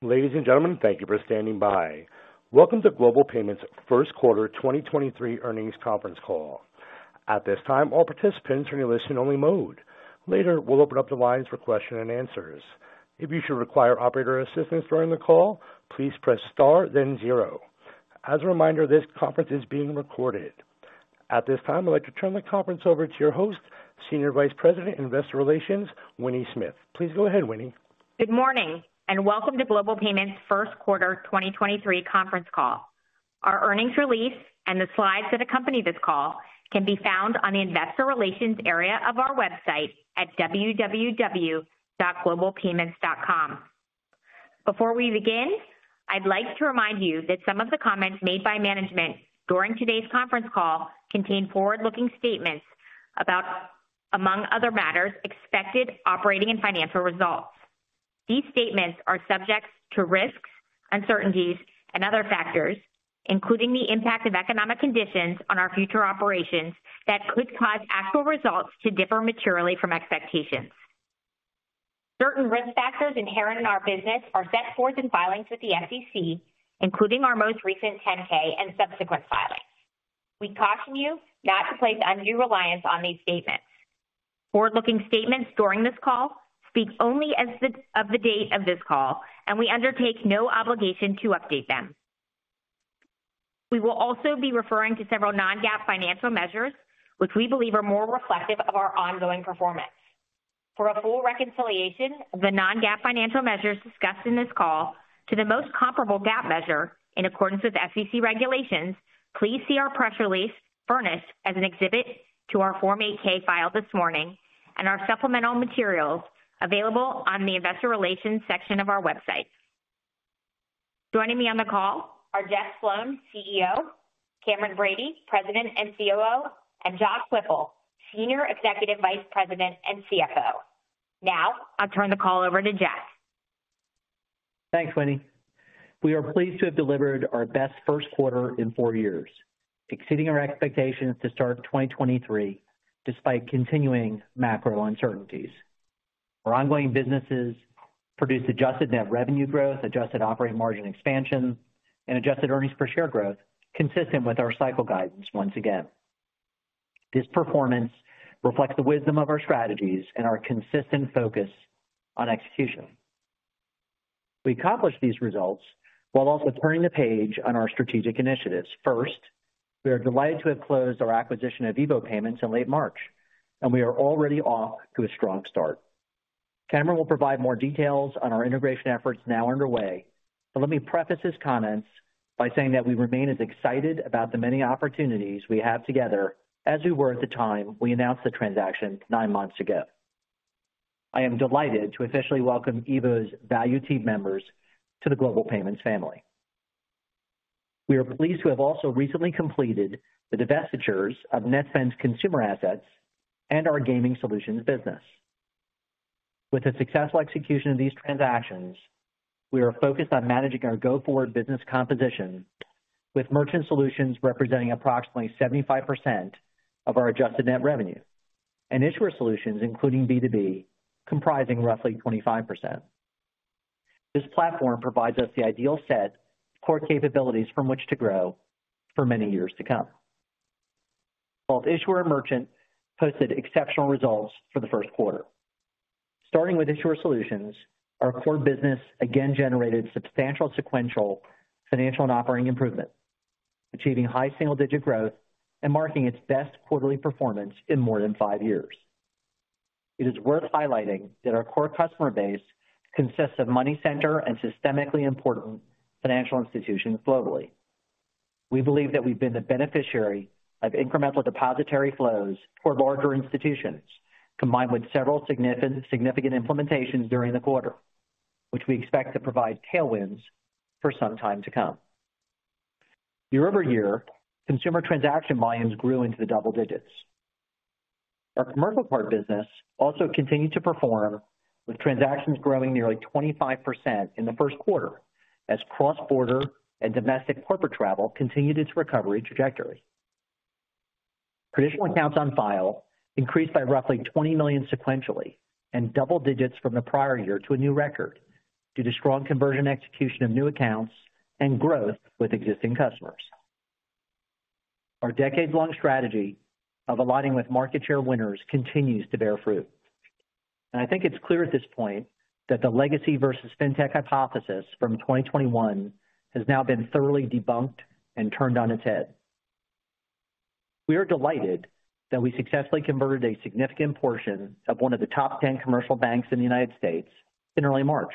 Ladies and gentlemen, thank you for standing by. Welcome to Global Payments' first quarter 2023 earnings conference call. At this time, all participants are in a listen-only mode. Later, we'll open up the lines for question-and-answers. If you should require operator assistance during the call, please press star then zero. As a reminder, this conference is being recorded. At this time, I'd like to turn the conference over to your host, Senior Vice President, Investor Relations, Winnie Smith. Please go ahead, Winnie. Good morning and welcome to Global Payments' first quarter 2023 conference call. Our earnings release and the slides that accompany this call can be found on the investor relations area of our website at www.globalpayments.com. Before we begin, I'd like to remind you that some of the comments made by management during today's conference call contain forward-looking statements about, among other matters, expected operating and financial results. These statements are subject to risks, uncertainties, and other factors, including the impact of economic conditions on our future operations that could cause actual results to differ materially from expectations. Certain risk factors inherent in our business are set forth in filings with the SEC, including our most recent 10-K and subsequent filings. We caution you not to place undue reliance on these statements. Forward-looking statements during this call speak only of the date of this call, and we undertake no obligation to update them. We will also be referring to several non-GAAP financial measures which we believe are more reflective of our ongoing performance. For a full reconciliation of the non-GAAP financial measures discussed in this call to the most comparable GAAP measure in accordance with SEC regulations, please see our press release furnished as an exhibit to our Form 8-K filed this morning and our supplemental materials available on the investor relations section of our website. Joining me on the call are Jeff Sloan, CEO, Cameron Bready, President and COO, and Josh Whipple, Senior Executive Vice President and CFO. Now I'll turn the call over to Jeff. Thanks, Winnie. We are pleased to have delivered our best first quarter in four years, exceeding our expectations to start 2023 despite continuing macro uncertainties. Our ongoing businesses produced adjusted net revenue growth, adjusted operating margin expansion, and adjusted earnings per share growth consistent with our cycle guidance once again. This performance reflects the wisdom of our strategies and our consistent focus on execution. We accomplished these results while also turning the page on our strategic initiatives. First, we are delighted to have closed our acquisition of EVO Payments in late March, and we are already off to a strong start. Cameron will provide more details on our integration efforts now underway, but let me preface his comments by saying that we remain as excited about the many opportunities we have together as we were at the time we announced the transaction 9 months ago. I am delighted to officially welcome EVO's valued team members to the Global Payments family. We are pleased to have also recently completed the divestitures of Netspend's consumer assets and our gaming solutions business. With the successful execution of these transactions, we are focused on managing our go-forward business composition, with merchant solutions representing approximately 75% of our adjusted net revenue, and issuer solutions, including B2B, comprising roughly 25%. This platform provides us the ideal set of core capabilities from which to grow for many years to come. Both issuer and merchant posted exceptional results for the first quarter. Starting with issuer solutions, our core business again generated substantial sequential financial and operating improvement, achieving high single-digit growth and marking its best quarterly performance in more than five years. It is worth highlighting that our core customer base consists of money center and systemically important financial institutions globally. We believe that we've been the beneficiary of incremental depository flows toward larger institutions, combined with several significant implementations during the quarter, which we expect to provide tailwinds for some time to come. Year-over-year, consumer transaction volumes grew into the double digits. Our commercial card business also continued to perform with transactions growing nearly 25% in the first quarter as cross-border and domestic corporate travel continued its recovery trajectory. Credential accounts on file increased by roughly 20 million sequentially and double digits from the prior year to a new record due to strong conversion execution of new accounts and growth with existing customers. Our decades-long strategy of aligning with market share winners continues to bear fruit. I think it's clear at this point that the legacy versus fintech hypothesis from 2021 has now been thoroughly debunked and turned on its head. We are delighted that we successfully converted a significant portion of one of the top 10 commercial banks in the U.S. in early March.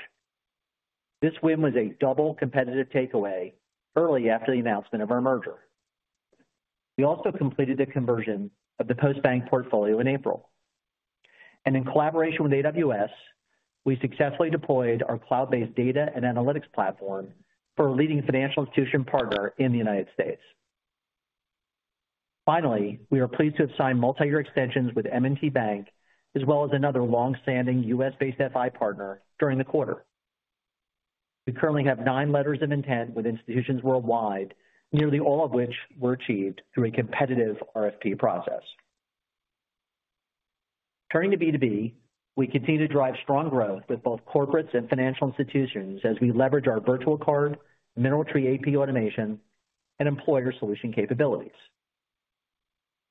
This win was a double competitive takeaway early after the announcement of our merger. We also completed the conversion of the Postbank portfolio in April. In collaboration with AWS, we successfully deployed our cloud-based data and analytics platform for a leading financial institution partner in the U.S. Finally, we are pleased to have signed multiyear extensions with M&T Bank as well as another long-standing U.S.-based FI partner during the quarter. We currently have nine letters of intent with institutions worldwide, nearly all of which were achieved through a competitive RFP process. Turning to B2B, we continue to drive strong growth with both corporates and financial institutions as we leverage our virtual card, MineralTree AP automation, and employer solution capabilities.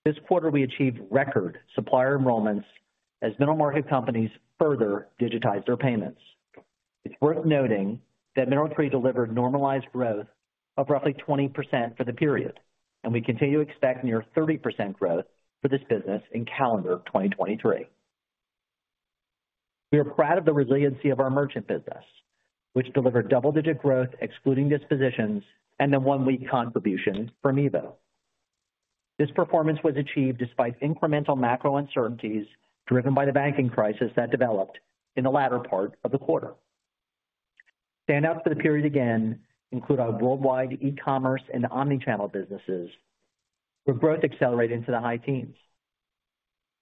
This quarter, we achieved record supplier enrollments as middle market companies further digitized their payments. It's worth noting that MineralTree delivered normalized growth of roughly 20% for the period, and we continue to expect near 30% growth for this business in calendar 2023. We are proud of the resiliency of our merchant business, which delivered double-digit growth excluding dispositions and the one-week contribution from EVO. This performance was achieved despite incremental macro uncertainties driven by the banking crisis that developed in the latter part of the quarter. Standouts for the period, again, include our worldwide e-commerce and omnichannel businesses, with growth accelerating to the high teens.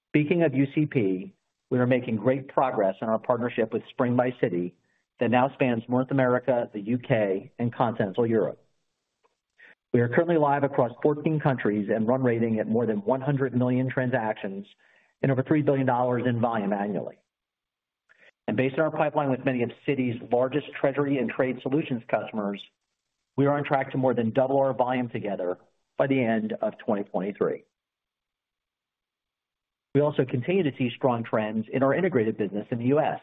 Speaking of UCP, we are making great progress on our partnership with Spring by Citi that now spans North America, the U.K., and Continental Europe. We are currently live across 14 countries and run rating at more than 100 million transactions and over $3 billion in volume annually. Based on our pipeline with many of Citi's largest Treasury and Trade Solutions customers, we are on track to more than double our volume together by the end of 2023. We also continue to see strong trends in our integrated business in the US,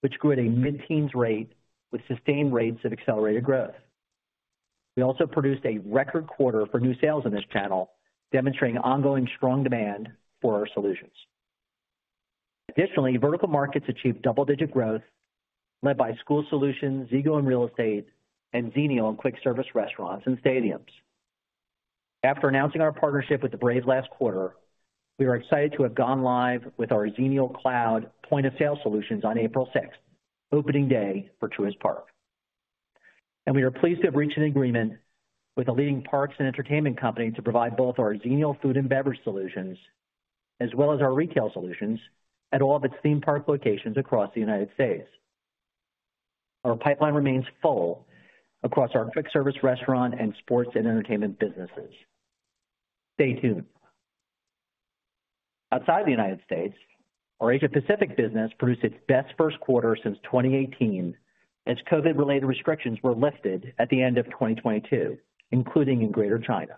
which grew at a mid-teens rate with sustained rates of accelerated growth. We also produced a record quarter for new sales in this channel, demonstrating ongoing strong demand for our solutions. Additionally, vertical markets achieved double-digit growth led by school solutions, Zego and real estate, and Xenial and quick service restaurants and stadiums. After announcing our partnership with the Braves last quarter, we are excited to have gone live with our Xenial Cloud point-of-sale solutions on April 6th, opening day for Truist Park. We are pleased to have reached an agreement with a leading parks and entertainment company to provide both our Xenial food and beverage solutions as well as our retail solutions at all of its theme park locations across the United States. Our pipeline remains full across our quick service restaurant and sports and entertainment businesses. Stay tuned. Outside the United States, our Asia Pacific business produced its best first quarter since 2018 as COVID-related restrictions were lifted at the end of 2022, including in Greater China.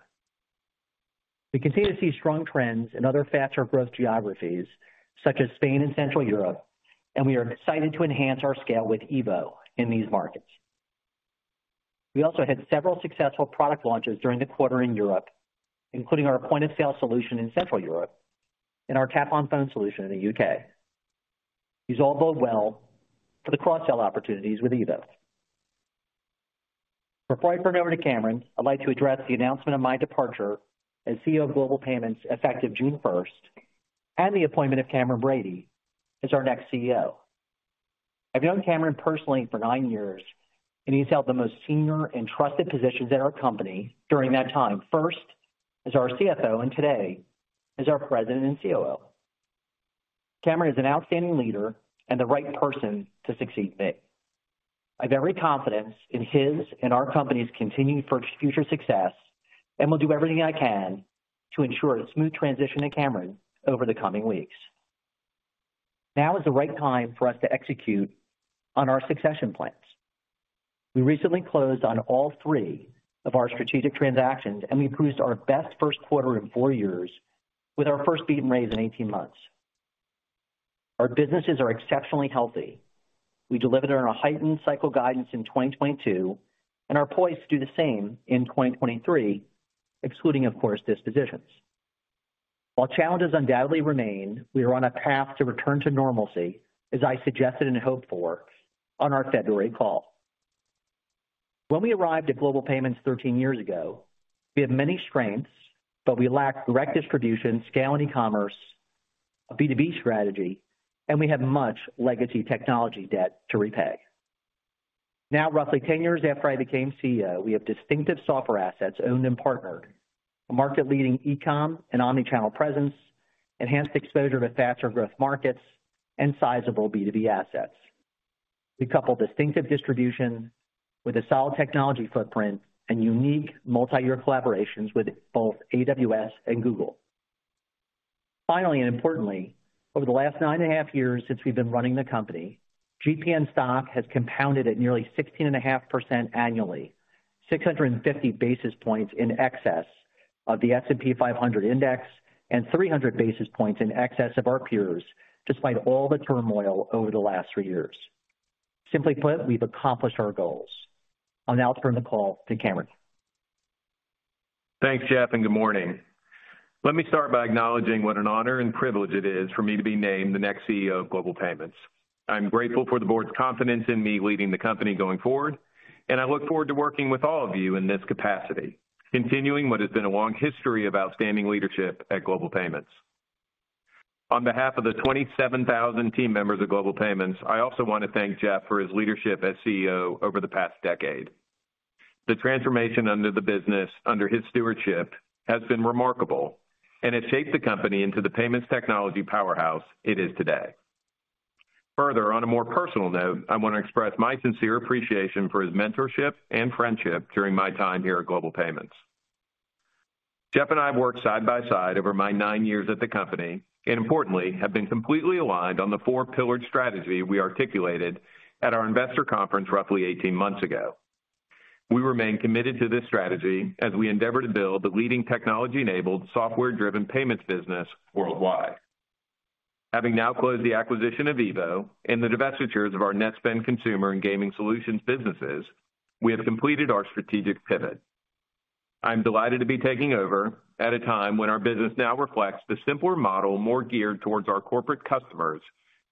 We continue to see strong trends in other faster growth geographies such as Spain and Central Europe, and we are excited to enhance our scale with EVO in these markets. We also had several successful product launches during the quarter in Europe, including our point-of-sale solution in Central Europe and our tap-on-phone solution in the U.K. These all bode well for the cross-sell opportunities with EVO. Before I turn it over to Cameron, I'd like to address the announcement of my departure as CEO of Global Payments effective June 1st and the appointment of Cameron Bready as our next CEO. I've known Cameron personally for 9 years, and he's held the most senior and trusted positions in our company during that time, first as our CFO and today as our President and COO. Cameron is an outstanding leader and the right person to succeed me. I have every confidence in his and our company's continued future success. Will do everything I can to ensure a smooth transition to Cameron over the coming weeks. Now is the right time for us to execute on our succession plans. We recently closed on all 3 of our strategic transactions, and we produced our best first quarter in four years with our first beat and raise in 18 months. Our businesses are exceptionally healthy. We delivered on a heightened cycle guidance in 2022, and are poised to do the same in 2023, excluding, of course, dispositions. While challenges undoubtedly remain, we are on a path to return to normalcy, as I suggested and hoped for on our February call. When we arrived at Global Payments 13 years ago, we had many strengths, but we lacked direct distribution, scale and e-commerce, a B2B strategy, and we had much legacy technology debt to repay. Now, roughly 10 years after I became CEO, we have distinctive software assets owned and partnered, a market-leading e-com and omnichannel presence, enhanced exposure to faster growth markets, and sizable B2B assets. We couple distinctive distribution with a solid technology footprint and unique multi-year collaborations with both AWS and Google. Importantly, over the last 9.5 years since we've been running the company, GPN stock has compounded at nearly 16.5% annually, 650 basis points in excess of the S&P 500 index and 300 basis points in excess of our peers, despite all the turmoil over the last three years. Simply put, we've accomplished our goals. I'll now turn the call to Cameron. Thanks, Jeff. Good morning. Let me start by acknowledging what an honor and privilege it is for me to be named the next CEO of Global Payments. I'm grateful for the board's confidence in me leading the company going forward. I look forward to working with all of you in this capacity, continuing what has been a long history of outstanding leadership at Global Payments. On behalf of the 27,000 team members of Global Payments, I also want to thank Jeff for his leadership as CEO over the past decade. The transformation under the business under his stewardship has been remarkable. It shaped the company into the payments technology powerhouse it is today. Further, on a more personal note, I want to express my sincere appreciation for his mentorship and friendship during my time here at Global Payments. Jeff and I have worked side by side over my nine years at the company, and importantly, have been completely aligned on the four-pillared strategy we articulated at our investor conference roughly 18 months ago. We remain committed to this strategy as we endeavor to build the leading technology-enabled, software-driven payments business worldwide. Having now closed the acquisition of EVO and the divestitures of our Netspend consumer and gaming solutions businesses, we have completed our strategic pivot. I'm delighted to be taking over at a time when our business now reflects the simpler model, more geared towards our corporate customers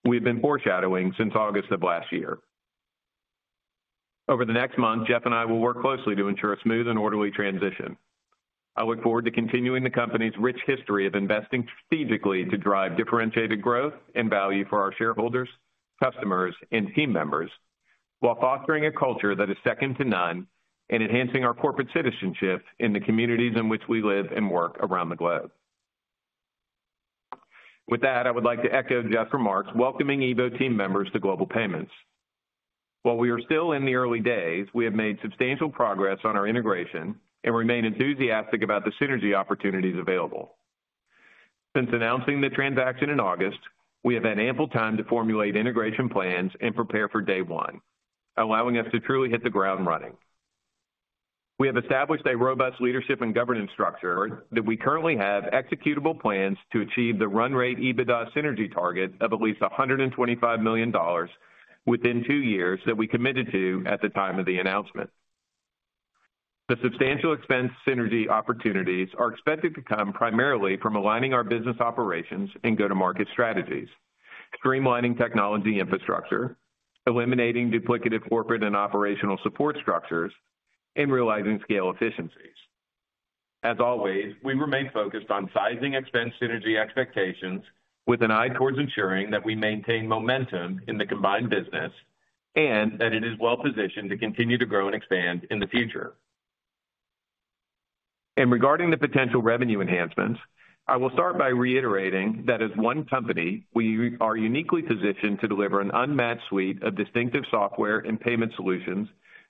we've been foreshadowing since August of last year. Over the next month, Jeff and I will work closely to ensure a smooth and orderly transition. I look forward to continuing the company's rich history of investing strategically to drive differentiated growth and value for our shareholders, customers, and team members, while fostering a culture that is second to none and enhancing our corporate citizenship in the communities in which we live and work around the globe. With that, I would like to echo Jeff's remarks welcoming EVO team members to Global Payments. While we are still in the early days, we have made substantial progress on our integration and remain enthusiastic about the synergy opportunities available. Since announcing the transaction in August, we have had ample time to formulate integration plans and prepare for day one, allowing us to truly hit the ground running. We have established a robust leadership and governance structure that we currently have executable plans to achieve the run rate EBITDA synergy target of at least $125 million within two years that we committed to at the time of the announcement. The substantial expense synergy opportunities are expected to come primarily from aligning our business operations and go-to-market strategies, streamlining technology infrastructure, eliminating duplicative corporate and operational support structures, and realizing scale efficiencies. As always, we remain focused on sizing expense synergy expectations with an eye towards ensuring that we maintain momentum in the combined business and that it is well-positioned to continue to grow and expand in the future. Regarding the potential revenue enhancements, I will start by reiterating that as one company, we are uniquely positioned to deliver an unmatched suite of distinctive software and payment solutions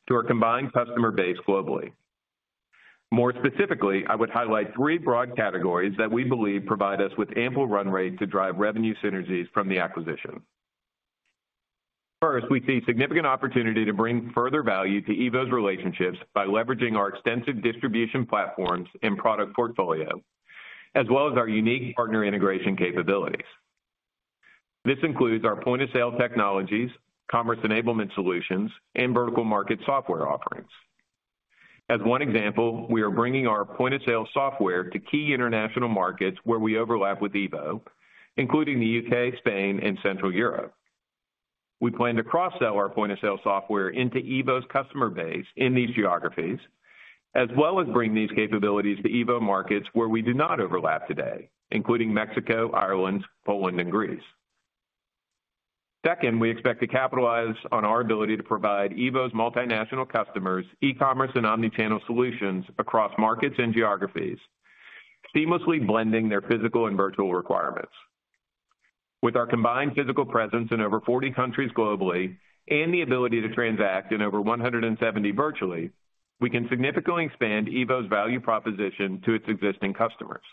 to our combined customer base globally. More specifically, I would highlight three broad categories that we believe provide us with ample run rate to drive revenue synergies from the acquisition. First, we see significant opportunity to bring further value to EVO's relationships by leveraging our extensive distribution platforms and product portfolio, as well as our unique partner integration capabilities. This includes our point-of-sale technologies, commerce enablement solutions, and vertical market software offerings. As one example, we are bringing our point-of-sale software to key international markets where we overlap with EVO, including the U.K., Spain, and Central Europe. We plan to cross-sell our point-of-sale software into EVO's customer base in these geographies, as well as bring these capabilities to EVO markets where we do not overlap today, including Mexico, Ireland, Poland, and Greece. Second, we expect to capitalize on our ability to provide EVO's multinational customers, e-commerce and omni-channel solutions across markets and geographies, seamlessly blending their physical and virtual requirements. With our combined physical presence in over 40 countries globally and the ability to transact in over 170 virtually, we can significantly expand EVO's value proposition to its existing customers.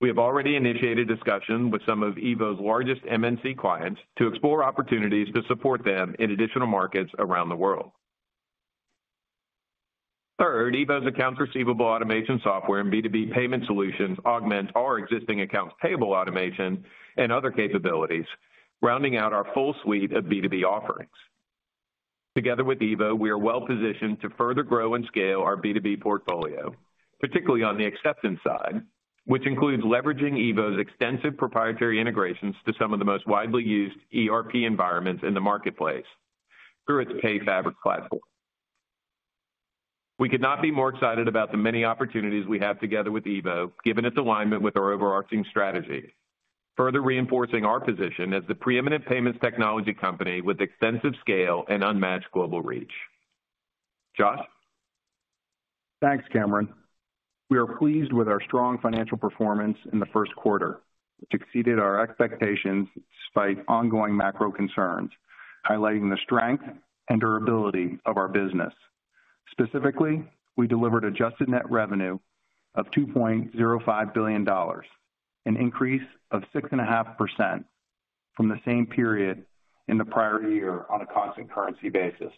We have already initiated discussion with some of EVO's largest MNC clients to explore opportunities to support them in additional markets around the world. Third, EVO's accounts receivable automation software and B2B payment solutions augment our existing accounts payable automation and other capabilities, rounding out our full suite of B2B offerings. Together with EVO, we are well positioned to further grow and scale our B2B portfolio, particularly on the acceptance side, which includes leveraging EVO's extensive proprietary integrations to some of the most widely used ERP environments in the marketplace through its PayFabric platform. We could not be more excited about the many opportunities we have together with EVO, given its alignment with our overarching strategy, further reinforcing our position as the preeminent payments technology company with extensive scale and unmatched global reach. Josh? Thanks, Cameron. We are pleased with our strong financial performance in the first quarter, which exceeded our expectations despite ongoing macro concerns, highlighting the strength and durability of our business. Specifically, we delivered adjusted net revenue of $2.05 billion, an increase of 6.5% from the same period in the prior year on a constant currency basis.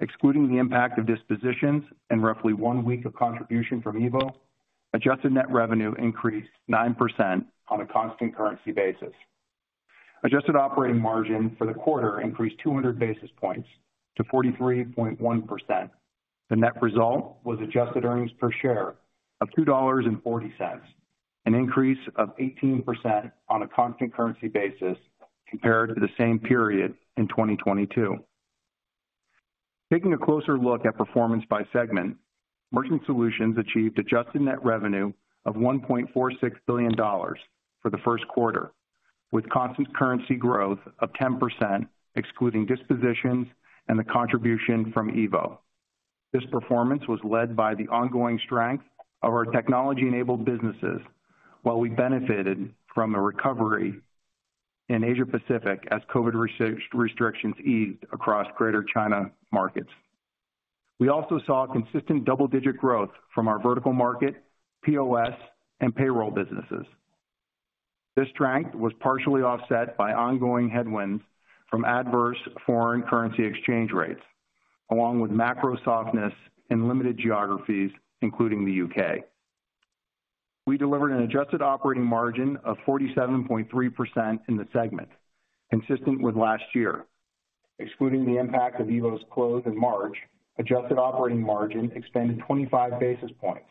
Excluding the impact of dispositions and roughly one week of contribution from EVO, adjusted net revenue increased 9% on a constant currency basis. Adjusted operating margin for the quarter increased 200 basis points to 43.1%. The net result was adjusted earnings per share of $2.40, an increase of 18% on a constant currency basis compared to the same period in 2022. Taking a closer look at performance by segment, Merchant Solutions achieved adjusted net revenue of $1.46 billion for the first quarter, with constant currency growth of 10% excluding dispositions and the contribution from EVO. This performance was led by the ongoing strength of our technology-enabled businesses, while we benefited from a recovery in Asia Pacific as COVID restrictions eased across Greater China markets. We also saw consistent double-digit growth from our vertical market, POS, and payroll businesses. This strength was partially offset by ongoing headwinds from adverse foreign currency exchange rates, along with macro softness in limited geographies, including the U.K. We delivered an adjusted operating margin of 47.3% in the segment, consistent with last year. Excluding the impact of EVO's close in March, adjusted operating margin expanded 25 basis points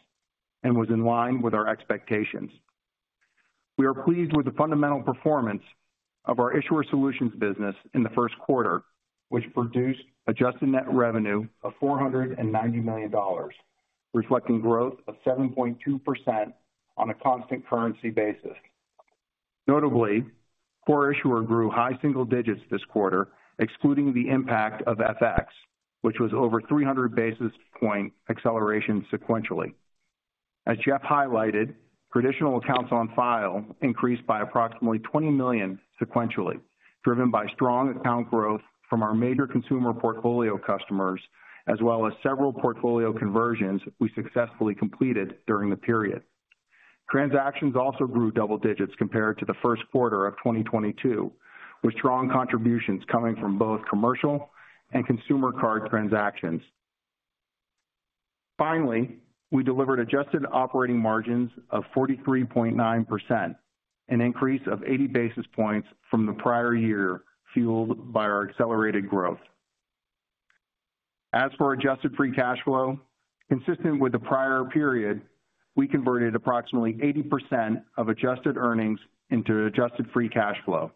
and was in line with our expectations. We are pleased with the fundamental performance of our issuer solutions business in the first quarter, which produced adjusted net revenue of $490 million, reflecting growth of 7.2% on a constant currency basis. Notably, core issuer grew high single digits this quarter, excluding the impact of FX, which was over 300 basis point acceleration sequentially. As Jeff highlighted, traditional accounts on file increased by approximately 20 million sequentially, driven by strong account growth from our major consumer portfolio customers as well as several portfolio conversions we successfully completed during the period. Transactions also grew double digits compared to the first quarter of 2022, with strong contributions coming from both commercial and consumer card transactions. Finally, we delivered adjusted operating margins of 43.9%, an increase of 80 basis points from the prior year, fueled by our accelerated growth. As for adjusted free cash flow, consistent with the prior period, we converted approximately 80% of adjusted earnings into adjusted free cash flow.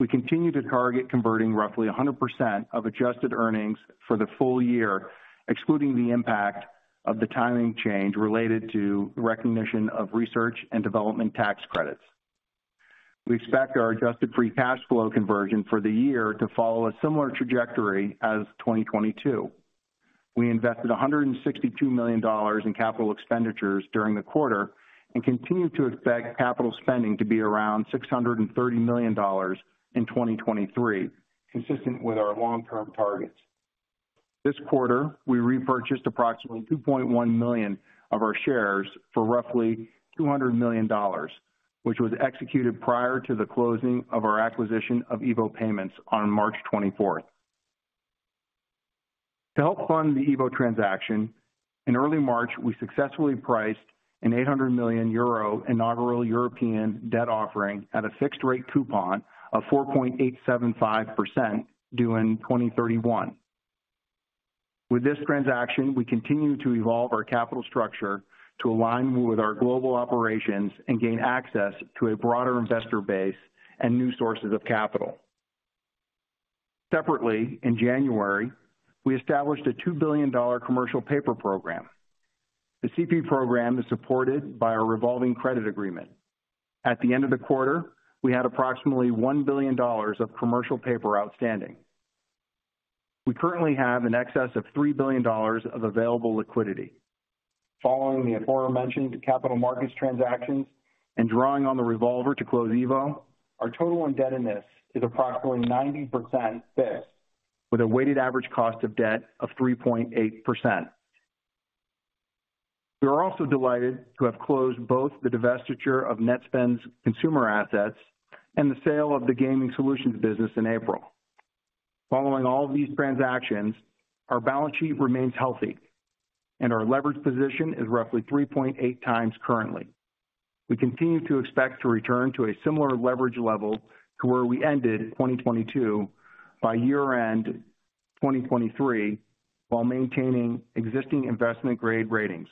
We continue to target converting roughly 100% of adjusted earnings for the full-year, excluding the impact of the timing change related to recognition of research and development tax credits. We expect our adjusted free cash flow conversion for the year to follow a similar trajectory as 2022. We invested $162 million in capital expenditures during the quarter and continue to expect capital spending to be around $630 million in 2023, consistent with our long-term targets. This quarter, we repurchased approximately 2.1 million of our shares for roughly $200 million, which was executed prior to the closing of our acquisition of EVO Payments on March 24th. To help fund the EVO transaction, in early March, we successfully priced an 800 million euro inaugural European debt offering at a fixed rate coupon of 4.875% due in 2031. With this transaction, we continue to evolve our capital structure to align with our global operations and gain access to a broader investor base and new sources of capital. Separately, in January, we established a $2 billion commercial paper program. The CP program is supported by our revolving credit agreement. At the end of the quarter, we had approximately $1 billion of commercial paper outstanding. We currently have in excess of $3 billion of available liquidity. Following the aforementioned capital markets transactions and drawing on the revolver to close EVO, our total indebtedness is approximately 90% fixed, with a weighted average cost of debt of 3.8%. We are also delighted to have closed both the divestiture of Netspend's consumer assets and the sale of the gaming solutions business in April. Following all of these transactions, our balance sheet remains healthy, and our leverage position is roughly 3.8 times currently. We continue to expect to return to a similar leverage level to where we ended 2022 by year-end 2023 while maintaining existing investment-grade ratings.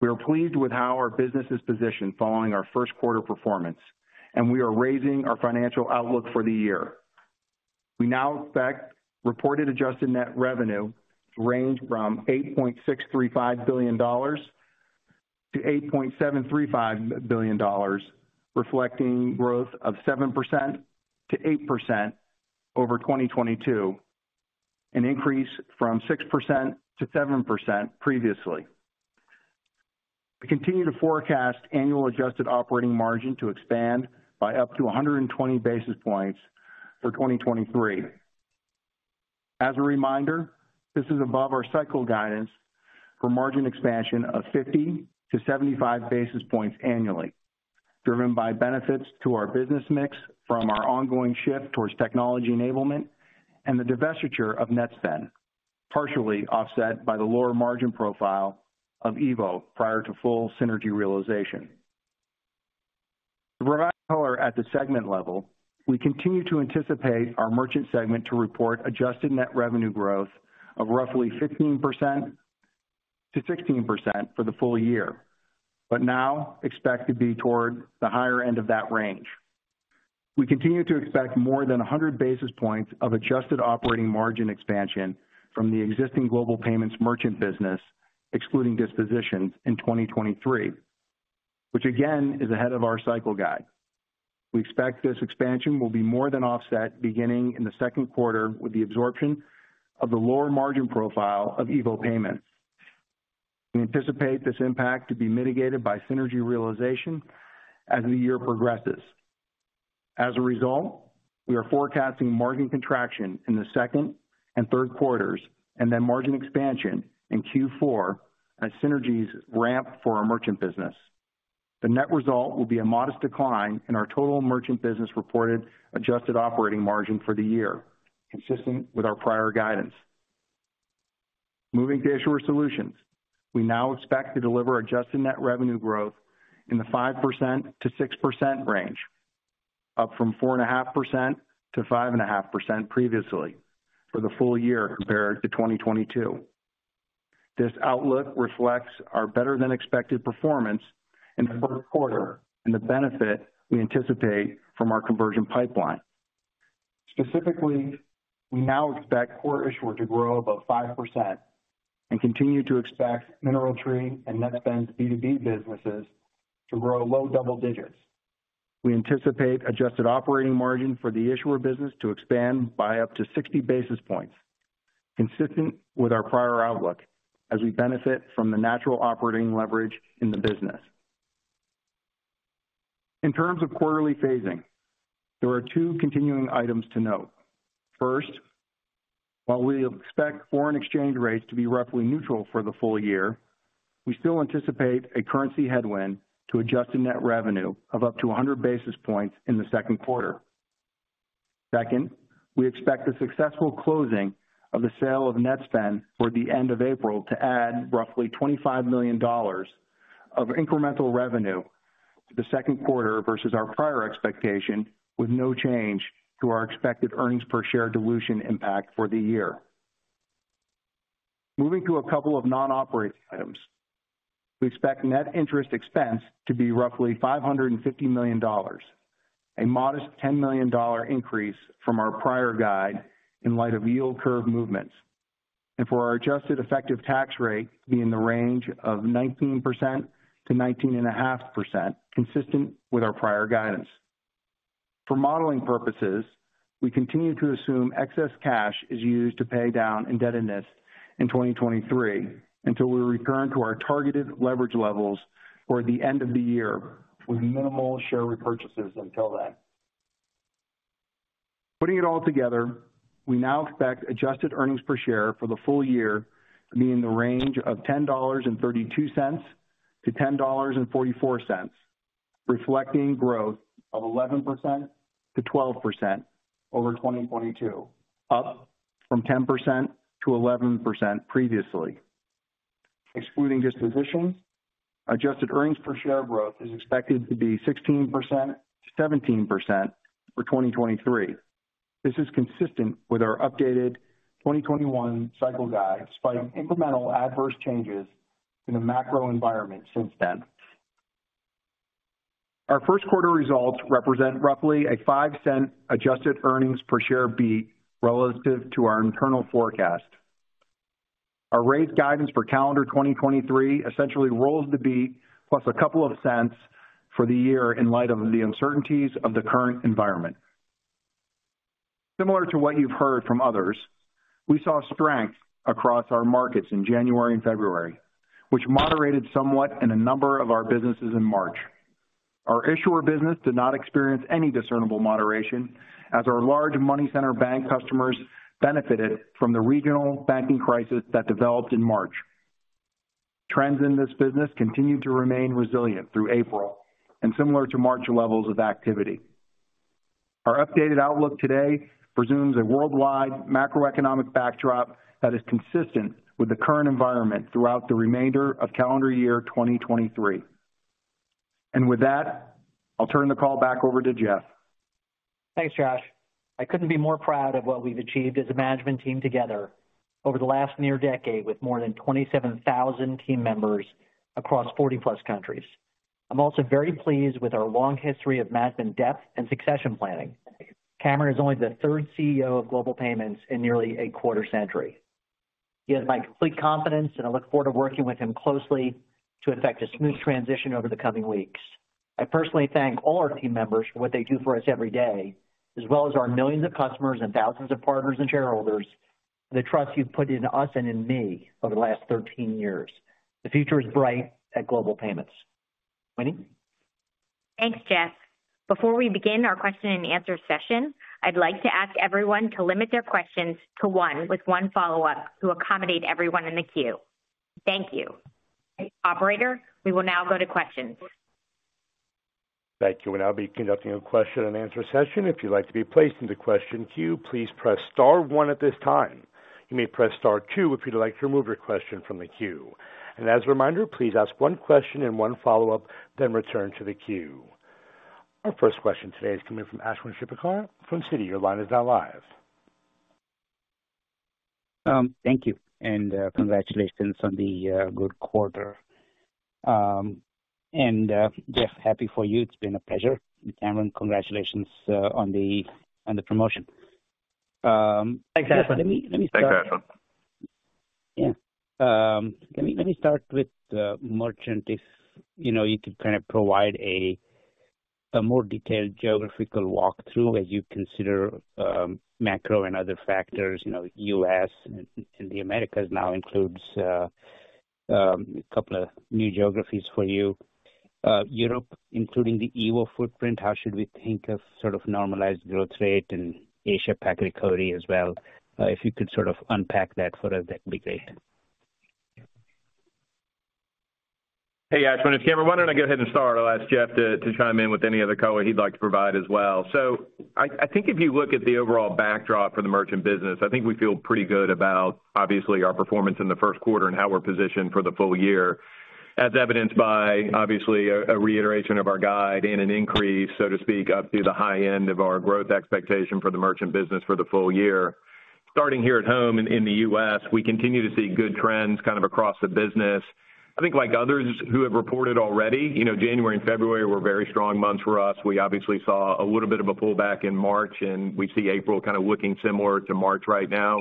We are pleased with how our business is positioned following our first quarter performance, and we are raising our financial outlook for the year. We now expect reported adjusted net revenue to range from $8.635 billion-$8.735 billion, reflecting growth of 7%-8% over 2022, an increase from 6%-7% previously. We continue to forecast annual adjusted operating margin to expand by up to 120 basis points for 2023. As a reminder, this is above our cycle guidance for margin expansion of 50-75 basis points annually, driven by benefits to our business mix from our ongoing shift towards technology enablement and the divestiture of Netspend, partially offset by the lower margin profile of EVO prior to full synergy realization. To provide color at the segment level, we continue to anticipate our merchant segment to report adjusted net revenue growth of roughly 15%-16% for the full-year, but now expect to be toward the higher end of that range. We continue to expect more than 100 basis points of adjusted operating margin expansion from the existing Global Payments merchant business, excluding dispositions in 2023, which again is ahead of our cycle guide. We expect this expansion will be more than offset beginning in the second quarter with the absorption of the lower margin profile of EVO Payments. We anticipate this impact to be mitigated by synergy realization as the year progresses. We are forecasting margin contraction in the second and third quarters and then margin expansion in Q4 as synergies ramp for our merchant business. The net result will be a modest decline in our total merchant business reported adjusted operating margin for the year, consistent with our prior guidance. Moving to Issuer Solutions. We now expect to deliver adjusted net revenue growth in the 5%-6% range, up from 4.5%-5.5% previously for the full-year compared to 2022. This outlook reflects our better-than-expected performance in the first quarter and the benefit we anticipate from our conversion pipeline. Specifically, we now expect core issuer to grow above 5% and continue to expect MineralTree and Netspend's B2B businesses to grow low double digits. We anticipate adjusted operating margin for the issuer business to expand by up to 60 basis points, consistent with our prior outlook as we benefit from the natural operating leverage in the business. In terms of quarterly phasing, there are two continuing items to note. First, while we expect foreign exchange rates to be roughly neutral for the full-year, we still anticipate a currency headwind to adjusted net revenue of up to 100 basis points in the second quarter. Second, we expect the successful closing of the sale of Netspend for the end of April to add roughly $25 million of incremental revenue to the second quarter versus our prior expectation, with no change to our expected earnings per share dilution impact for the year. Moving to a couple of non-operating items. We expect net interest expense to be roughly $550 million, a modest $10 million increase from our prior guide in light of yield curve movements. For our adjusted effective tax rate to be in the range of 19%-19.5%, consistent with our prior guidance. For modeling purposes, we continue to assume excess cash is used to pay down indebtedness in 2023 until we return to our targeted leverage levels for the end of the year, with minimal share repurchases until then. Putting it all together, we now expect adjusted earnings per share for the full-year to be in the range of $10.32-$10.44, reflecting growth of 11%-12% over 2022, up from 10%-11% previously. Excluding dispositions, adjusted earnings per share growth is expected to be 16%-17% for 2023. This is consistent with our updated 2021 cycle guide, despite incremental adverse changes in the macro environment since then. Our first quarter results represent roughly a $0.05 adjusted earnings per share beat relative to our internal forecast. Our raised guidance for calendar 2023 essentially rolls the beat plus a couple of cents for the year in light of the uncertainties of the current environment. Similar to what you've heard from others, we saw strength across our markets in January and February, which moderated somewhat in a number of our businesses in March. Our issuer business did not experience any discernible moderation as our large money center bank customers benefited from the regional banking crisis that developed in March. Trends in this business continued to remain resilient through April and similar to March levels of activity. Our updated outlook today presumes a worldwide macroeconomic backdrop that is consistent with the current environment throughout the remainder of calendar year 2023. With that, I'll turn the call back over to Jeff. Thanks, Josh. I couldn't be more proud of what we've achieved as a management team together over the last near decade with more than 27,000 team members across 40-plus countries. I'm also very pleased with our long history of management depth and succession planning. Cameron is only the third CEO of Global Payments in nearly a quarter-century. He has my complete confidence. I look forward to working with him closely to effect a smooth transition over the coming weeks. I personally thank all our team members for what they do for us every day, as well as our millions of customers and thousands of partners and shareholders for the trust you've put in us and in me over the last 13 years. The future is bright at Global Payments. Winnie? Thanks, Jeff. Before we begin our question-and-answer session, I'd like to ask everyone to limit their questions to one with one follow-up to accommodate everyone in the queue. Thank you. Operator, we will now go to questions. Thank you. We'll now be conducting a question-and-answer session. If you'd like to be placed in the question queue, please press star one at this time. You may press star two if you'd like to remove your question from the queue. As a reminder, please ask one question and one follow-up, then return to the queue. Our first question today is coming from Ashwin Shirvaikar from Citi. Your line is now live. Thank you and congratulations on the good quarter. Jeff, happy for you. It's been a pleasure. Cameron, congratulations on the promotion. Thanks, Ashwin. Thanks, Ashwin. Yeah. Let me start with the merchant. If, you know, you could kind of provide A more detailed geographical walkthrough as you consider macro and other factors, you know, US and the Americas now includes a couple of new geographies for you. Europe, including the EVO footprint, how should we think of sort of normalized growth rate in Asia-Pac recovery as well? If you could sort of unpack that for us, that'd be great. Hey, Ashwin, it's Cameron. Why don't I go ahead and start? I'll ask Jeff to chime in with any other color he'd like to provide as well. I think if you look at the overall backdrop for the merchant business, I think we feel pretty good about, obviously, our performance in the first quarter and how we're positioned for the full-year, as evidenced by, obviously a reiteration of our guide and an increase, so to speak, up to the high end of our growth expectation for the merchant business for the full-year. Starting here at home in the U.S., we continue to see good trends kind of across the business. I think like others who have reported already, you know, January and February were very strong months for us. We obviously saw a little bit of a pullback in March. We see April kind of looking similar to March right now.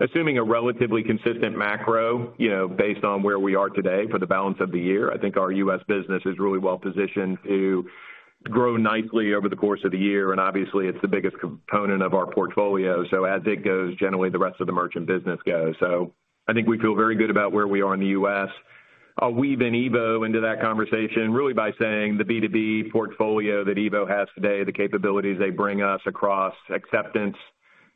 Assuming a relatively consistent macro, you know, based on where we are today for the balance of the year, I think our U.S. business is really well-positioned to grow nicely over the course of the year. Obviously, it's the biggest component of our portfolio. As it goes, generally, the rest of the merchant business goes. I think we feel very good about where we are in the U.S. I'll weave in EVO into that conversation really by saying the B2B portfolio that EVO has today, the capabilities they bring us across acceptance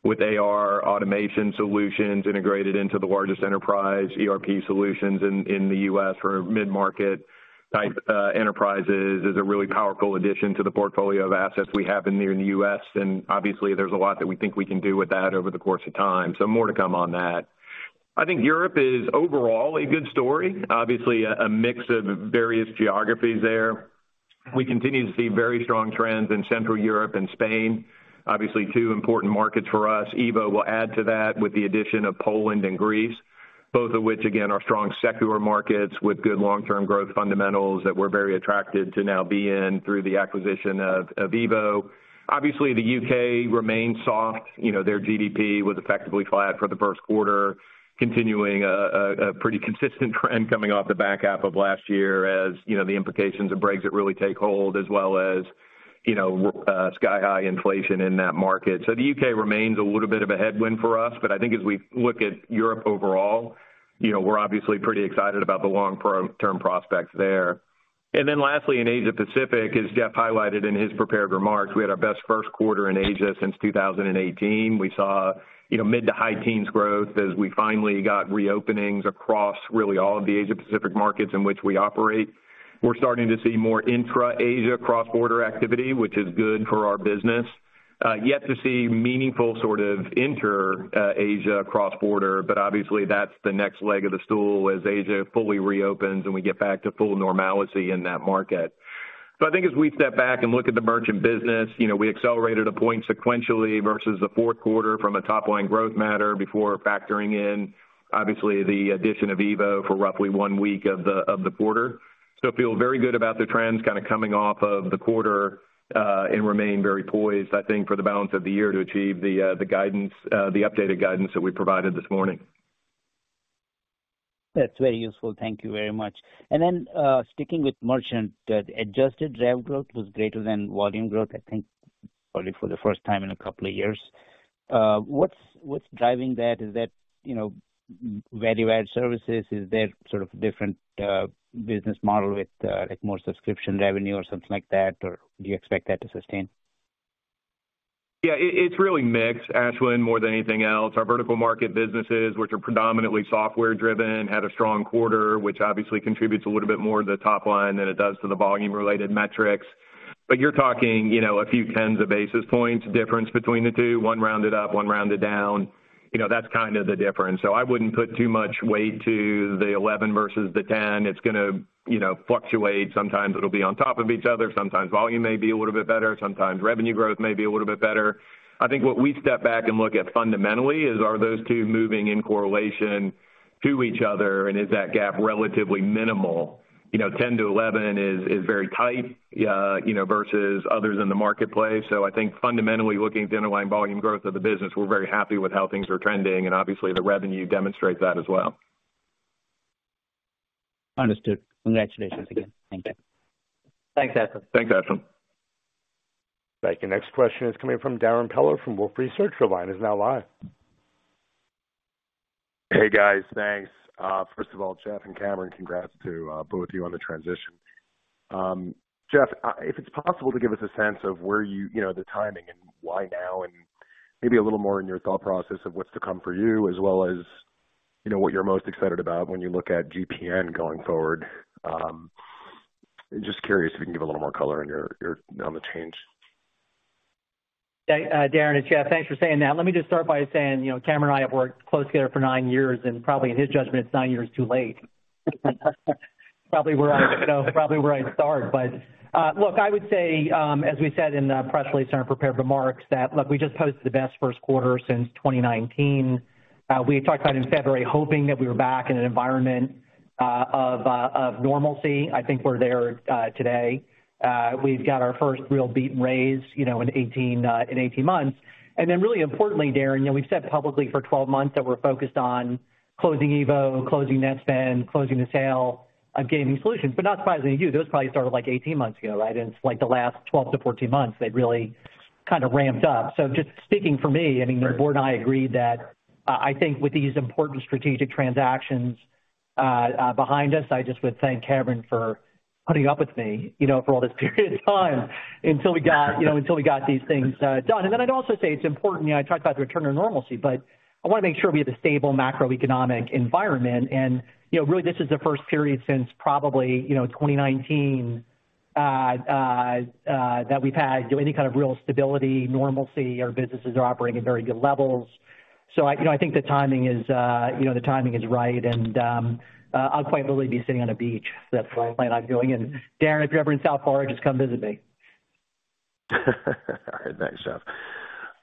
with AR automation solutions integrated into the largest enterprise ERP solutions in the U.S. for mid-market type enterprises, is a really powerful addition to the portfolio of assets we have in the U.S. Obviously, there's a lot that we think we can do with that over the course of time. More to come on that. I think Europe is overall a good story. Obviously, a mix of various geographies there. We continue to see very strong trends in Central Europe and Spain, obviously, two important markets for us. EVO will add to that with the addition of Poland and Greece, both of which again are strong secular markets with good long-term growth fundamentals that we're very attracted to now be in through the acquisition of EVO. Obviously, the UK remains soft. You know, their GDP was effectively flat for the first quarter, continuing a pretty consistent trend coming off the back half of last year. As, you know, the implications of Brexit really take hold as well as, you know, sky-high inflation in that market. The UK remains a little bit of a headwind for us, but I think as we look at Europe overall, you know, we're obviously pretty excited about the long pro-term prospects there. Lastly, in Asia Pacific, as Jeff highlighted in his prepared remarks, we had our best first quarter in Asia since 2018. We saw, you know, mid to high teens growth as we finally got reopenings across really all of the Asia Pacific markets in which we operate. We're starting to see more intra-Asia cross-border activity, which is good for our business. Yet to see meaningful sort of inter-Asia cross-border, obviously, that's the next leg of the stool as Asia fully reopens, and we get back to full normalcy in that market. I think as we step back and look at the merchant business, you know, we accelerated a point sequentially versus the fourth quarter from a top line growth matter before factoring in, obviously, the addition of EVO for roughly 1 week of the quarter. Feel very good about the trends kind of coming off of the quarter, and remain very poised, I think, for the balance of the year to achieve the guidance, the updated guidance that we provided this morning. That's very useful. Thank you very much. Sticking with merchant, the adjusted rev growth was greater than volume growth, I think probably for the first time in a couple of years. What's driving that? Is that, you know, value-add services? Is there sort of different business model with like, more subscription revenue or something like that? Or do you expect that to sustain? It, it's really mixed, Ashwin Shirvaikar, more than anything else. Our vertical market businesses, which are predominantly software-driven, had a strong quarter, which obviously contributes a little bit more to the top line than it does to the volume-related metrics. You're talking, you know, a few tens of basis points difference between the two, one rounded up, one rounded down. You know, that's kind of the difference. I wouldn't put too much weight to the 11 versus the 10. It's gonna, you know, fluctuate. Sometimes it'll be on top of each other, sometimes volume may be a little bit better, sometimes revenue growth may be a little bit better. I think what we step back and look at fundamentally is, are those two moving in correlation to each other, and is that gap relatively minimal? You know, 10%-11% is very tight, you know, versus others in the marketplace. I think fundamentally, looking at the underlying volume growth of the business, we're very happy with how things are trending, and obviously the revenue demonstrates that as well. Understood. Congratulations again. Thank you. Thanks, Ashwin. Thanks, Ashwin. Thank you. Next question is coming from Darrin Peller from Wolfe Research. Your line is now live. Hey, guys. Thanks. First of all, Jeff and Cameron, congrats to both of you on the transition. Jeff, if it's possible to give us a sense of where you know, the timing and why now, and maybe a little more in your thought process of what's to come for you, as well as, you know, what you're most excited about when you look at GPN going forward. Just curious if you can give a little more color on your on the change. Yeah, Darrin, it's Jeff. Thanks for saying that. Let me just start by saying, you know, Cameron and I have worked close together for nine years, probably in his judgment, it's nine years too late. Probably you know where I'd start. Look, I would say, as we said in the press release and our prepared remarks that, look, we just posted the best first quarter since 2019. We talked about in February hoping that we were back in an environment of normalcy. I think we're there today. We've got our first real beat and raise, you know, in 18 months. Really importantly, Darrin, you know, we've said publicly for 12 months that we're focused on closing EVO, closing Netspend, closing the sale of Gaming Solutions. Not surprisingly to you, those probably started like 18 months ago, right? It's like the last 12-14 months they've really kind of ramped up. Just speaking for me, I mean, the board and I agreed that I think with these important strategic transactions behind us, I just would thank Cameron for putting up with me, you know, for all this period of time until we got, you know, until we got these things done. Then I'd also say it's important, you know, I talked about the return to normalcy, but I want to make sure we have a stable macroeconomic environment. You know, really this is the first period since probably, you know, 2019 that we've had any kind of real stability, normalcy. Our businesses are operating at very good levels. I, you know, I think the timing is, you know, the timing is right and, I'll quite literally be sitting on a beach. That's my plan. I'm going in. Darrin, if you're ever in South Florida, just come visit me. Thanks, Jeff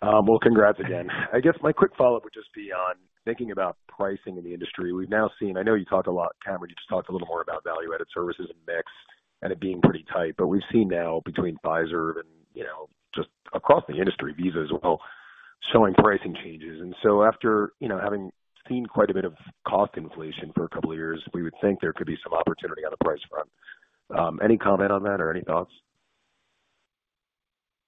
Sloan. Well, congrats again. I guess my quick follow-up would just be on thinking about pricing in the industry. I know you talked a lot, Cameron Bready, you just talked a little more about value-added services and mix and it being pretty tight. We've seen now between Fiserv and, you know, just across the industry, Visa as well, showing pricing changes. After, you know, having seen quite a bit of cost inflation for a couple of years, we would think there could be some opportunity on the price front. Any comment on that or any thoughts?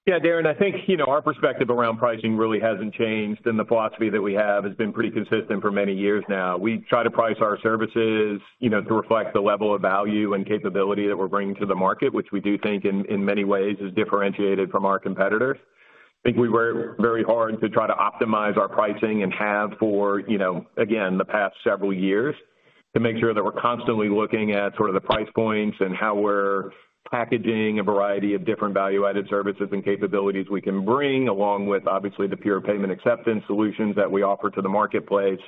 Yeah, Darrin, I think, you know, our perspective around pricing really hasn't changed, and the philosophy that we have has been pretty consistent for many years now. We try to price our services, you know, to reflect the level of value and capability that we're bringing to the market, which we do think in many ways is differentiated from our competitors. I think we work very hard to try to optimize our pricing and have for, you know, again, the past several years to make sure that we're constantly looking at sort of the price points and how we're packaging a variety of different value-added services and capabilities we can bring, along with, obviously, the pure payment acceptance solutions that we offer to the marketplace.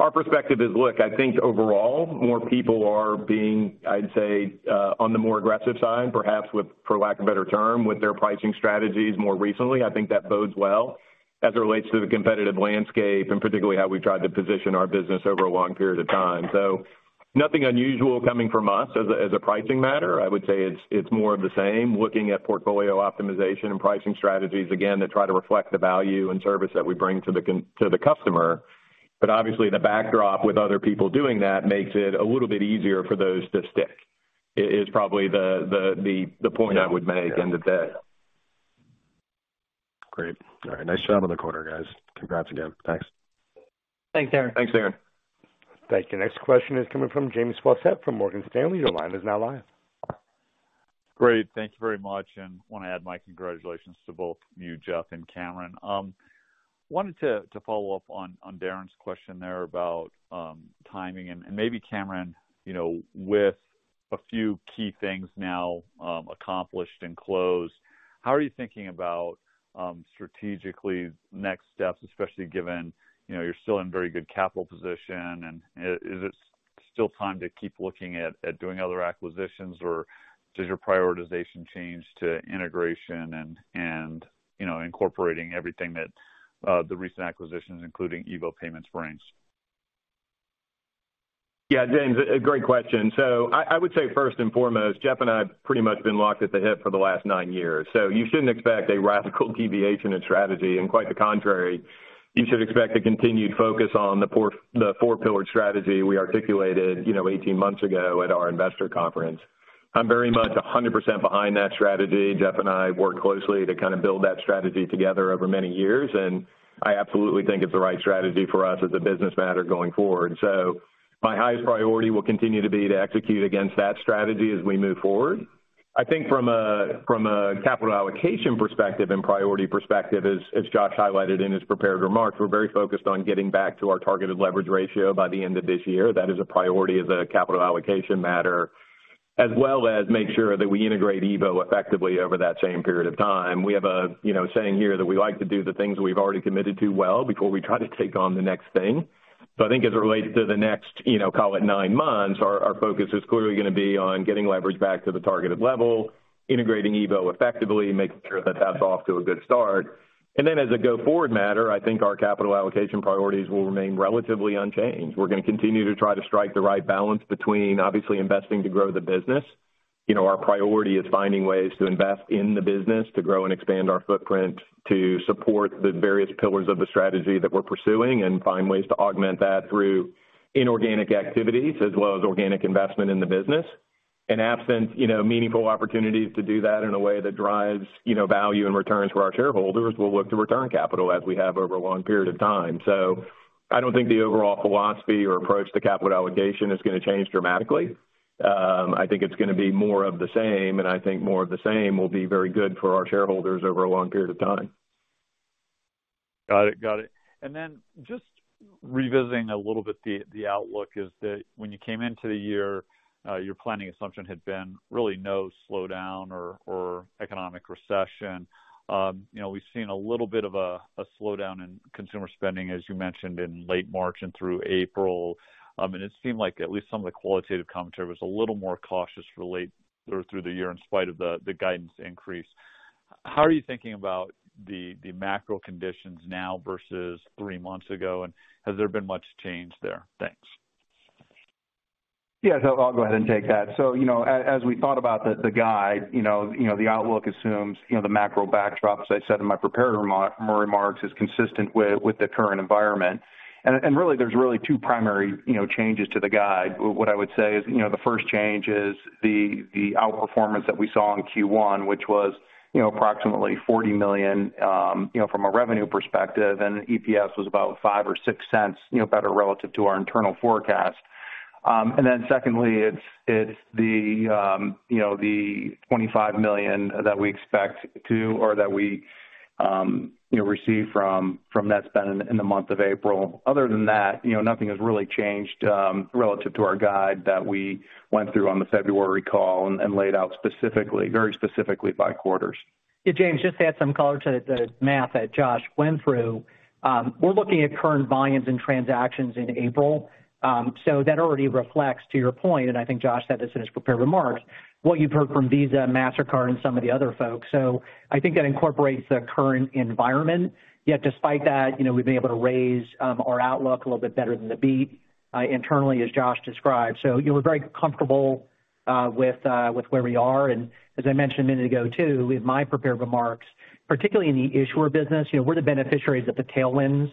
Our perspective is, look, I think overall more people are being, I'd say, on the more aggressive side, perhaps with, for lack of a better term, with their pricing strategies more recently. I think that bodes well as it relates to the competitive landscape and particularly how we've tried to position our business over a long period of time. Nothing unusual coming from us as a, as a pricing matter. I would say it's more of the same, looking at portfolio optimization and pricing strategies, again, that try to reflect the value and service that we bring to the customer. Obviously the backdrop with other people doing that makes it a little bit easier for those to stick is probably the point I would make end of day. Great. All right. Nice job on the quarter, guys. Congrats again. Thanks. Thanks, Darrin. Thanks, Darrin. Thank you. Next question is coming from James Faucette from Morgan Stanley. Your line is now live. Great. Thank you very much. I want to add my congratulations to both you, Jeff and Cameron. wanted to follow up on Darrin's question there about timing. and maybe Cameron, you know, with a few key things now accomplished and closed, how are you thinking about strategically next steps, especially given, you know, you're still in very good capital position and is it still time to keep looking at doing other acquisitions or does your prioritization change to integration and, you know, incorporating everything that the recent acquisitions, including EVO Payments brings? Yeah, James, a great question. I would say first and foremost, Jeff and I have pretty much been locked at the hip for the last 9 years, so you shouldn't expect a radical deviation in strategy. Quite the contrary, you should expect a continued focus on the 4, the 4-pillared strategy we articulated, you know, 18 months ago at our investor conference. I'm very much 100% behind that strategy. Jeff and I worked closely to kind of build that strategy together over many years, and I absolutely think it's the right strategy for us as a business matter going forward. My highest priority will continue to be to execute against that strategy as we move forward. I think from a, from a capital allocation perspective and priority perspective, as Josh highlighted in his prepared remarks, we're very focused on getting back to our targeted leverage ratio by the end of this year. That is a priority as a capital allocation matter, as well as make sure that we integrate EVO effectively over that same period of time. We have a, you know, saying here that we like to do the things we've already committed to well before we try to take on the next thing. I think as it relates to the next, you know, call it nine months, our focus is clearly going to be on getting leverage back to the targeted level, integrating EVO effectively, making sure that that's off to a good start. Then as a go-forward matter, I think our capital allocation priorities will remain relatively unchanged. We're going to continue to try to strike the right balance between obviously investing to grow the business. You know, our priority is finding ways to invest in the business to grow and expand our footprint to support the various pillars of the strategy that we're pursuing and find ways to augment that through inorganic activities as well as organic investment in the business. In absence, you know, meaningful opportunities to do that in a way that drives, you know, value and returns for our shareholders, we'll look to return capital as we have over a long period of time. I don't think the overall philosophy or approach to capital allocation is going to change dramatically. I think it's going to be more of the same, and I think more of the same will be very good for our shareholders over a long period of time. Got it. Got it. Just revisiting a little bit the outlook is that when you came into the year, your planning assumption had been really no slowdown or economic recession. You know, we've seen a little bit of a slowdown in consumer spending, as you mentioned in late March and through April. And it seemed like at least some of the qualitative commentary was a little more cautious or through the year in spite of the guidance increase. How are you thinking about the macro conditions now versus three months ago, and has there been much change there? Thanks. Yeah, I'll go ahead and take that. You know, as we thought about the guide, you know, the outlook assumes, you know, the macro backdrop, as I said in my prepared remarks, is consistent with the current environment. Really there's two primary, you know, changes to the guide. What I would say is, you know, the first change is the outperformance that we saw in Q1, which was, you know, approximately $40 million, you know, from a revenue perspective, and EPS was about $0.05 or $0.06, you know, better relative to our internal forecast. Secondly, it's the, you know, the $25 million that we expect to, or that we, you know, receive from Netspend in the month of April. Other than that, you know, nothing has really changed, relative to our guide that we went through on the February call and laid out specifically, very specifically by quarters. Yeah, James, just to add some color to the math that Josh went through. We're looking at current volumes and transactions in April. That already reflects to your point, and I think Josh said this in his prepared remarks, what you've heard from Visa and Mastercard and some of the other folks. I think that incorporates the current environment. Yet despite that, you know, we've been able to raise our outlook a little bit better than the beat internally as Josh described. You know, we're very comfortable with where we are. As I mentioned a minute ago, too, in my prepared remarks, particularly in the issuer business, you know, we're the beneficiaries of the tailwinds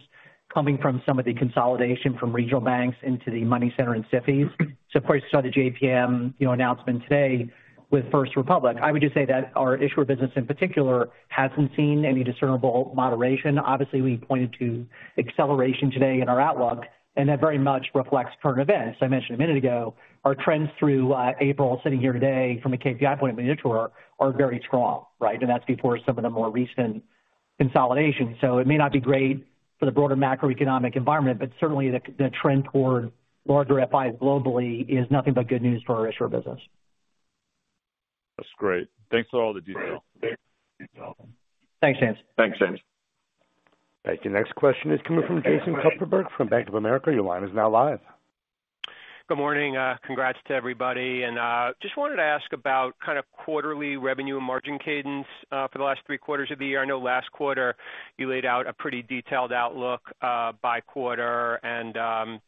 coming from some of the consolidation from regional banks into the money center and SIFIs. Of course, you saw the JPM, you know, announcement today with First Republic. I would just say that our issuer business in particular hasn't seen any discernible moderation. Obviously, we pointed to acceleration today in our outlook, that very much reflects current events. I mentioned a minute ago, our trends through April, sitting here today from a KPI point of view, year-to-year, are very strong, right? That's before some of the more recent consolidation. It may not be great for the broader macroeconomic environment, but certainly the trend toward larger FIs globally is nothing but good news for our issuer business. That's great. Thanks for all the detail. Thanks, James. Thanks, James. Thank you. Next question is coming from Jason Kupferberg from Bank of America. Your line is now live. Good morning. Congrats to everybody. Just wanted to ask about kind of quarterly revenue and margin cadence for the last three quarters of the year. I know last quarter you laid out a pretty detailed outlook by quarter.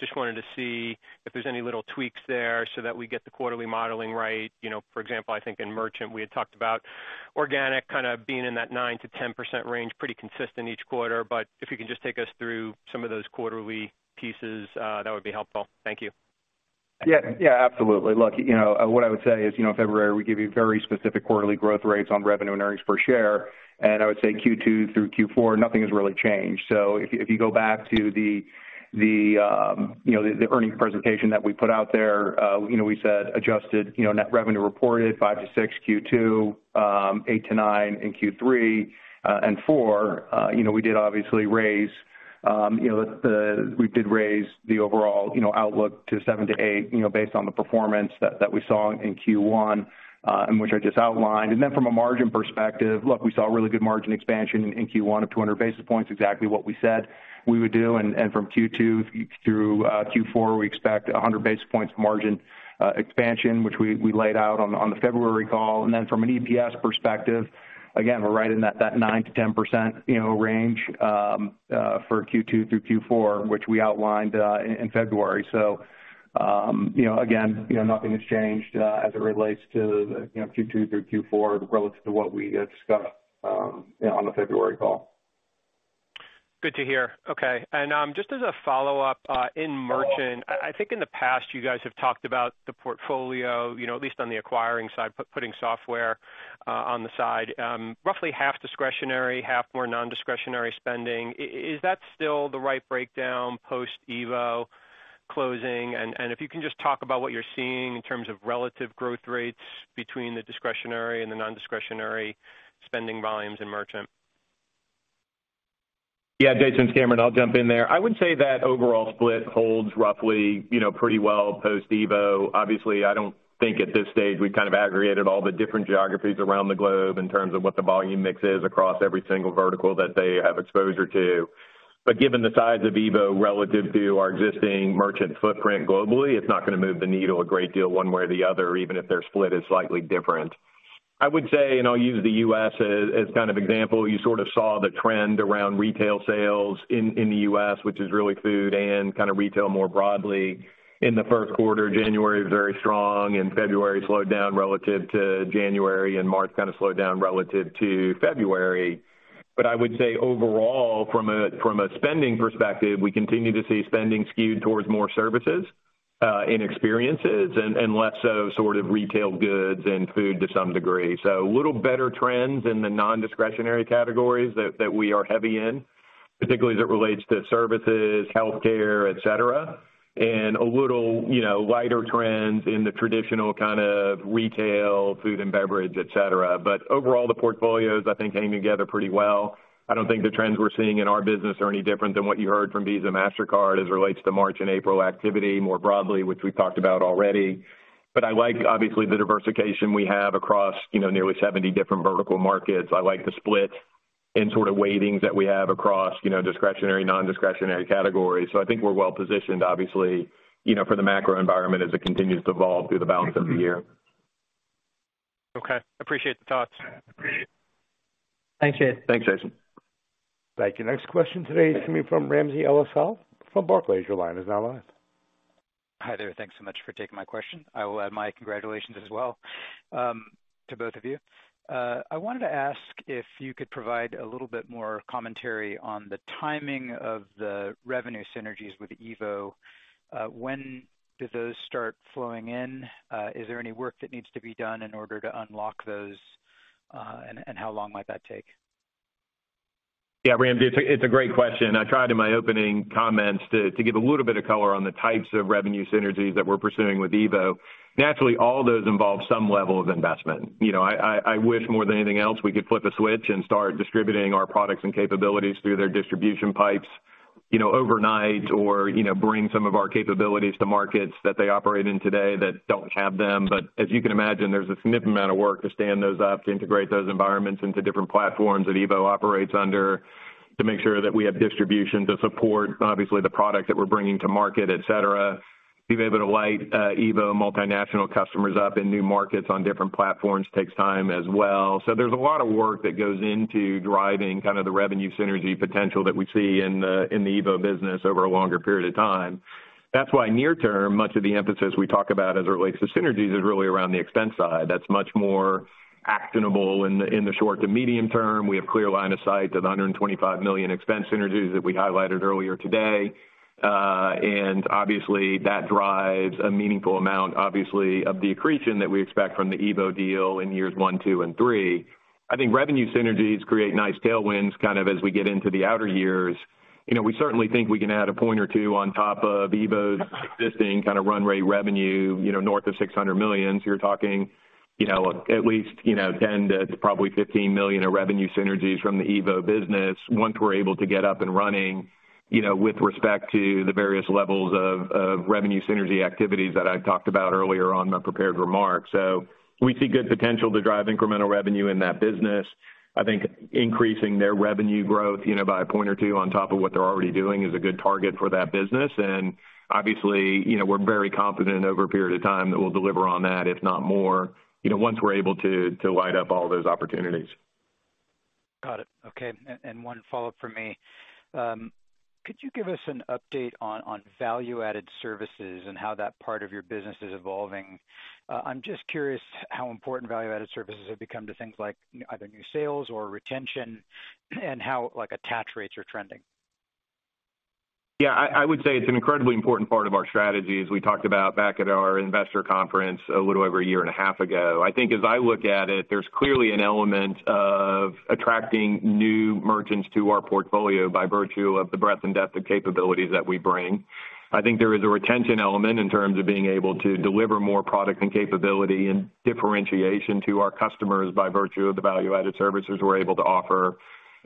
Just wanted to see if there's any little tweaks there so that we get the quarterly modeling right. You know, for example, I think in merchant, we had talked about organic kind of being in that 9%-10% range, pretty consistent each quarter. If you can just take us through some of those quarterly pieces, that would be helpful. Thank you. Yeah. Yeah. Absolutely. Look, you know, what I would say is, you know, in February, we give you very specific quarterly growth rates on revenue and earnings per share. I would say Q2 through Q4, nothing has really changed. If you go back to the, you know, the earnings presentation that we put out there, you know, we said adjusted, you know, net revenue reported 5%-6% Q2, 8%-9% in Q3. In Q4, you know, we did obviously raise, you know, we did raise the overall, you know, outlook to 7%-8%, you know, based on the performance that we saw in Q1, and which I just outlined. Then from a margin perspective, look, we saw a really good margin expansion in Q1 of 200 basis points, exactly what we said we would do. From Q2 through Q4, we expect 100 basis points margin expansion, which we laid out on the February call. Then from an EPS perspective, again, we're right in that 9%-10%, you know, range for Q2 through Q4, which we outlined in February. Again, you know, nothing has changed as it relates to the, you know, Q2 through Q4 relative to what we had discussed, you know, on the February call. Good to hear. Okay. Just as a follow-up, in merchant, I think in the past you guys have talked about the portfolio, you know, at least on the acquiring side, putting software on the side, roughly half discretionary, half more non-discretionary spending. Is that still the right breakdown post-EVO closing? If you can just talk about what you're seeing in terms of relative growth rates between the discretionary and the non-discretionary spending volumes in merchant. Jason, it's Cameron. I'll jump in there. I would say that overall split holds roughly, you know, pretty well post-EVO. Obviously, I don't think at this stage we've kind of aggregated all the different geographies around the globe in terms of what the volume mix is across every single vertical that they have exposure to. Given the size of EVO relative to our existing merchant footprint globally, it's not going to move the needle a great deal one way or the other, even if their split is slightly different. I would say, and I'll use the U.S. as kind of example. You sort of saw the trend around retail sales in the U.S., which is really food and kind of retail more broadly in the first quarter. January was very strong. February slowed down relative to January. March kind of slowed down relative to February. I would say overall, from a spending perspective, we continue to see spending skewed towards more services and experiences and less so sort of retail goods and food to some degree. A little better trends in the non-discretionary categories that we are heavy in, particularly as it relates to services, healthcare, et cetera. A little, you know, lighter trends in the traditional kind of retail, food and beverage, et cetera. Overall, the portfolios I think hang together pretty well. I don't think the trends we're seeing in our business are any different than what you heard from Visa and Mastercard as it relates to March and April activity more broadly, which we talked about already. I like obviously the diversification we have across, you know, nearly 70 different vertical markets. I like the split in sort of weightings that we have across, you know, discretionary, non-discretionary categories. I think we're well positioned, obviously, you know, for the macro environment as it continues to evolve through the balance of the year. Okay. Appreciate the thoughts. Thanks, Jason. Thanks, Jason. Thank you. Next question today is coming from Ramsey El-Assal from Barclays. Your line is now live. Hi there. Thanks so much for taking my question. I will add my congratulations as well, to both of you. I wanted to ask if you could provide a little bit more commentary on the timing of the revenue synergies with EVO. When do those start flowing in? Is there any work that needs to be done in order to unlock those? How long might that take? Ram, it's a great question. I tried in my opening comments to give a little bit of color on the types of revenue synergies that we're pursuing with EVO. Naturally, all those involve some level of investment. You know, I wish more than anything else we could flip a switch and start distributing our products and capabilities through their distribution pipes, you know, overnight, or, you know, bring some of our capabilities to markets that they operate in today that don't have them. As you can imagine, there's a significant amount of work to stand those up, to integrate those environments into different platforms that EVO operates under to make sure that we have distribution to support, obviously the product that we're bringing to market, et cetera, to be able to light EVO multinational customers up in new markets on different platforms takes time as well. There's a lot of work that goes into driving kind of the revenue synergy potential that we see in the EVO business over a longer period of time. That's why near term, much of the emphasis we talk about as it relates to synergies is really around the expense side. That's much more actionable in the short to medium term. We have clear line of sight of $125 million expense synergies that we highlighted earlier today. Obviously that drives a meaningful amount, obviously, of the accretion that we expect from the EVO deal in years one, two, and three. I think revenue synergies create nice tailwinds, kind of as we get into the outer years. We certainly think we can add a point or two on top of EVO's existing kind of run rate revenue, you know, north of $600 million. You're talking, you know, at least, you know, $10-15 million of revenue synergies from the EVO business once we're able to get up and running, you know, with respect to the various levels of revenue synergy activities that I talked about earlier on my prepared remarks. We see good potential to drive incremental revenue in that business. I think increasing their revenue growth, you know, by a point or two on top of what they're already doing is a good target for that business. Obviously, you know, we're very confident over a period of time that we'll deliver on that, if not more, you know, once we're able to light up all those opportunities. Got it. Okay. One follow-up from me. Could you give us an update on value-added services and how that part of your business is evolving? I'm just curious how important value-added services have become to things like either new sales or retention, and how, like, attach rates are trending. Yeah, I would say it's an incredibly important part of our strategy, as we talked about back at our investor conference a little over a year and a half ago. I think as I look at it, there's clearly an element of attracting new merchants to our portfolio by virtue of the breadth and depth of capabilities that we bring. I think there is a retention element in terms of being able to deliver more product and capability and differentiation to our customers by virtue of the value-added services we're able to offer.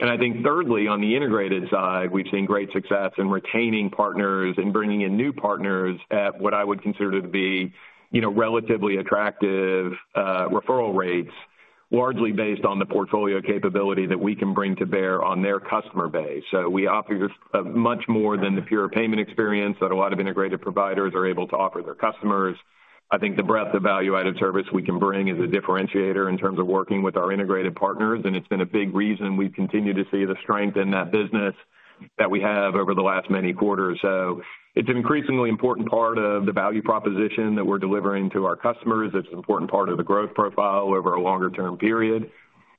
I think thirdly, on the integrated side, we've seen great success in retaining partners and bringing in new partners at what I would consider to be, you know, relatively attractive referral rates, largely based on the portfolio capability that we can bring to bear on their customer base. We offer just a much more than the pure payment experience that a lot of integrated providers are able to offer their customers. I think the breadth of value-added service we can bring is a differentiator in terms of working with our integrated partners, and it's been a big reason we've continued to see the strength in that business that we have over the last many quarters. It's an increasingly important part of the value proposition that we're delivering to our customers. It's an important part of the growth profile over a longer-term period.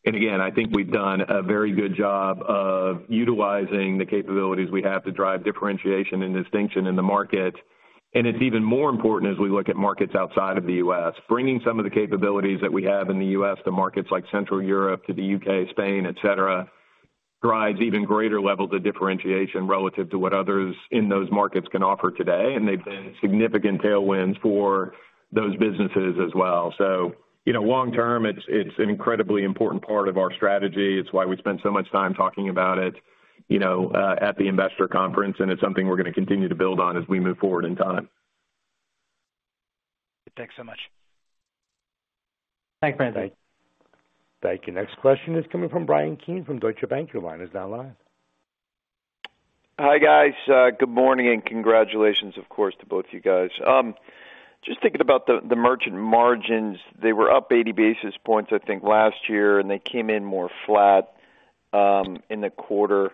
Again, I think we've done a very good job of utilizing the capabilities we have to drive differentiation and distinction in the market. It's even more important as we look at markets outside of the U.S. Bringing some of the capabilities that we have in the U.S. to markets like Central Europe, to the U.K., Spain, et cetera, drives even greater levels of differentiation relative to what others in those markets can offer today. They've been significant tailwinds for those businesses as well. You know, long term, it's an incredibly important part of our strategy. It's why we spend so much time talking about it, you know, at the investor conference, and it's something we're gonna continue to build on as we move forward in time. Thanks so much. Thanks. Thank you. Thank you. Next question is coming from Bryan Keane from Deutsche Bank. Your line is now live. Hi, guys. Good morning. Congratulations, of course, to both you guys. Just thinking about the merchant margins. They were up 80 basis points, I think, last year. They came in more flat in the quarter.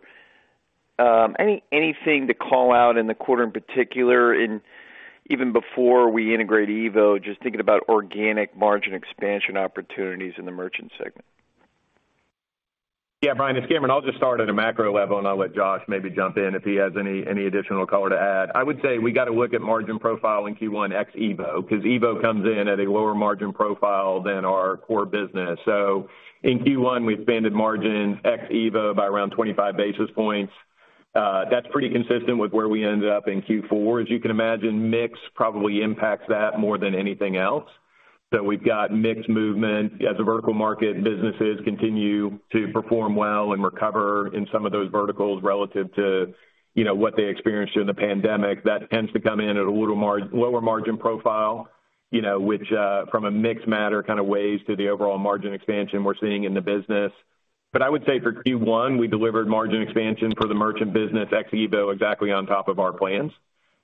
Anything to call out in the quarter in particular even before we integrate EVO, just thinking about organic margin expansion opportunities in the merchant segment? Yeah, Bryan, it's Cameron. I'll just start at a macro level, and I'll let Josh maybe jump in if he has any additional color to add. I would say we got to look at margin profile in Q1 ex EVO, 'cause EVO comes in at a lower margin profile than our core business. In Q1, we expanded margins ex EVO by around 25 basis points. That's pretty consistent with where we ended up in Q4. As you can imagine, mix probably impacts that more than anything else. We've got mix movement. As the vertical market businesses continue to perform well and recover in some of those verticals relative to, you know, what they experienced during the pandemic, that tends to come in at a little lower margin profile, you know, which from a mix matter, kind of weighs to the overall margin expansion we're seeing in the business. I would say for Q1, we delivered margin expansion for the merchant business ex EVO exactly on top of our plans.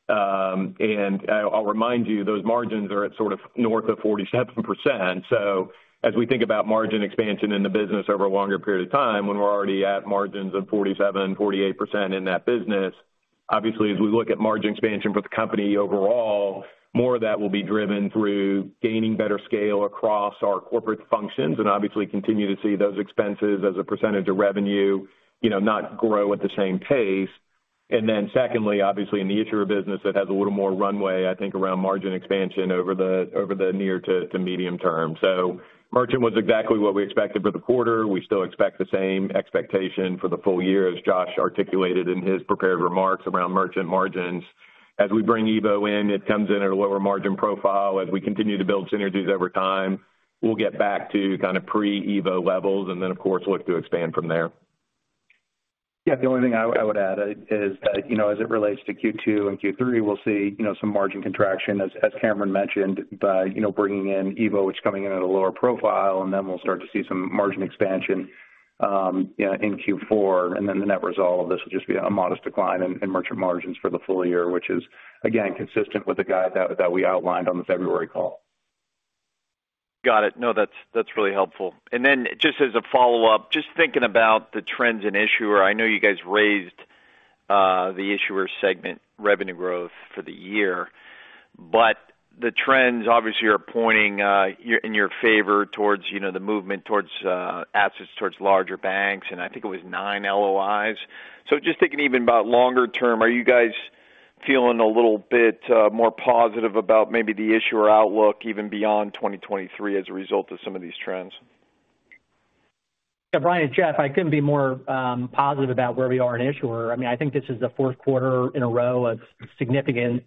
I'll remind you, those margins are at sort of north of 47%. As we think about margin expansion in the business over a longer period of time, when we're already at margins of 47%-48% in that business, obviously, as we look at margin expansion for the company overall, more of that will be driven through gaining better scale across our corporate functions and obviously continue to see those expenses as a percentage of revenue, you know, not grow at the same pace. Secondly, obviously in the issuer business that has a little more runway, I think around margin expansion over the, over the near to medium term. Merchant was exactly what we expected for the quarter. We still expect the same expectation for the full-year as Josh articulated in his prepared remarks around merchant margins. As we bring EVO in, it comes in at a lower margin profile. As we continue to build synergies over time, we'll get back to kind of pre-EVO levels and then of course look to expand from there. Yeah. The only thing I would add is that, you know, as it relates to Q2 and Q3, we'll see, you know, some margin contraction as Cameron Bready mentioned, by, you know, bringing in EVO, which is coming in at a lower profile, and then we'll start to see some margin expansion, you know, in Q4. The net result of this will just be a modest decline in merchant margins for the full-year, which is again, consistent with the guide that we outlined on the February call. Got it. That's really helpful. Just as a follow-up, just thinking about the trends in issuer, I know you guys raised the issuer segment revenue growth for the year, but the trends obviously are pointing in your favor towards, you know, the movement towards assets towards larger banks, and I think it was 9 LOIs. Just thinking even about longer term, are you guys feeling a little bit more positive about maybe the issuer outlook even beyond 2023 as a result of some of these trends? Yeah, Bryan, it's Jeff. I couldn't be more positive about where we are in issuer. I mean, I think this is the fourth quarter in a row of significant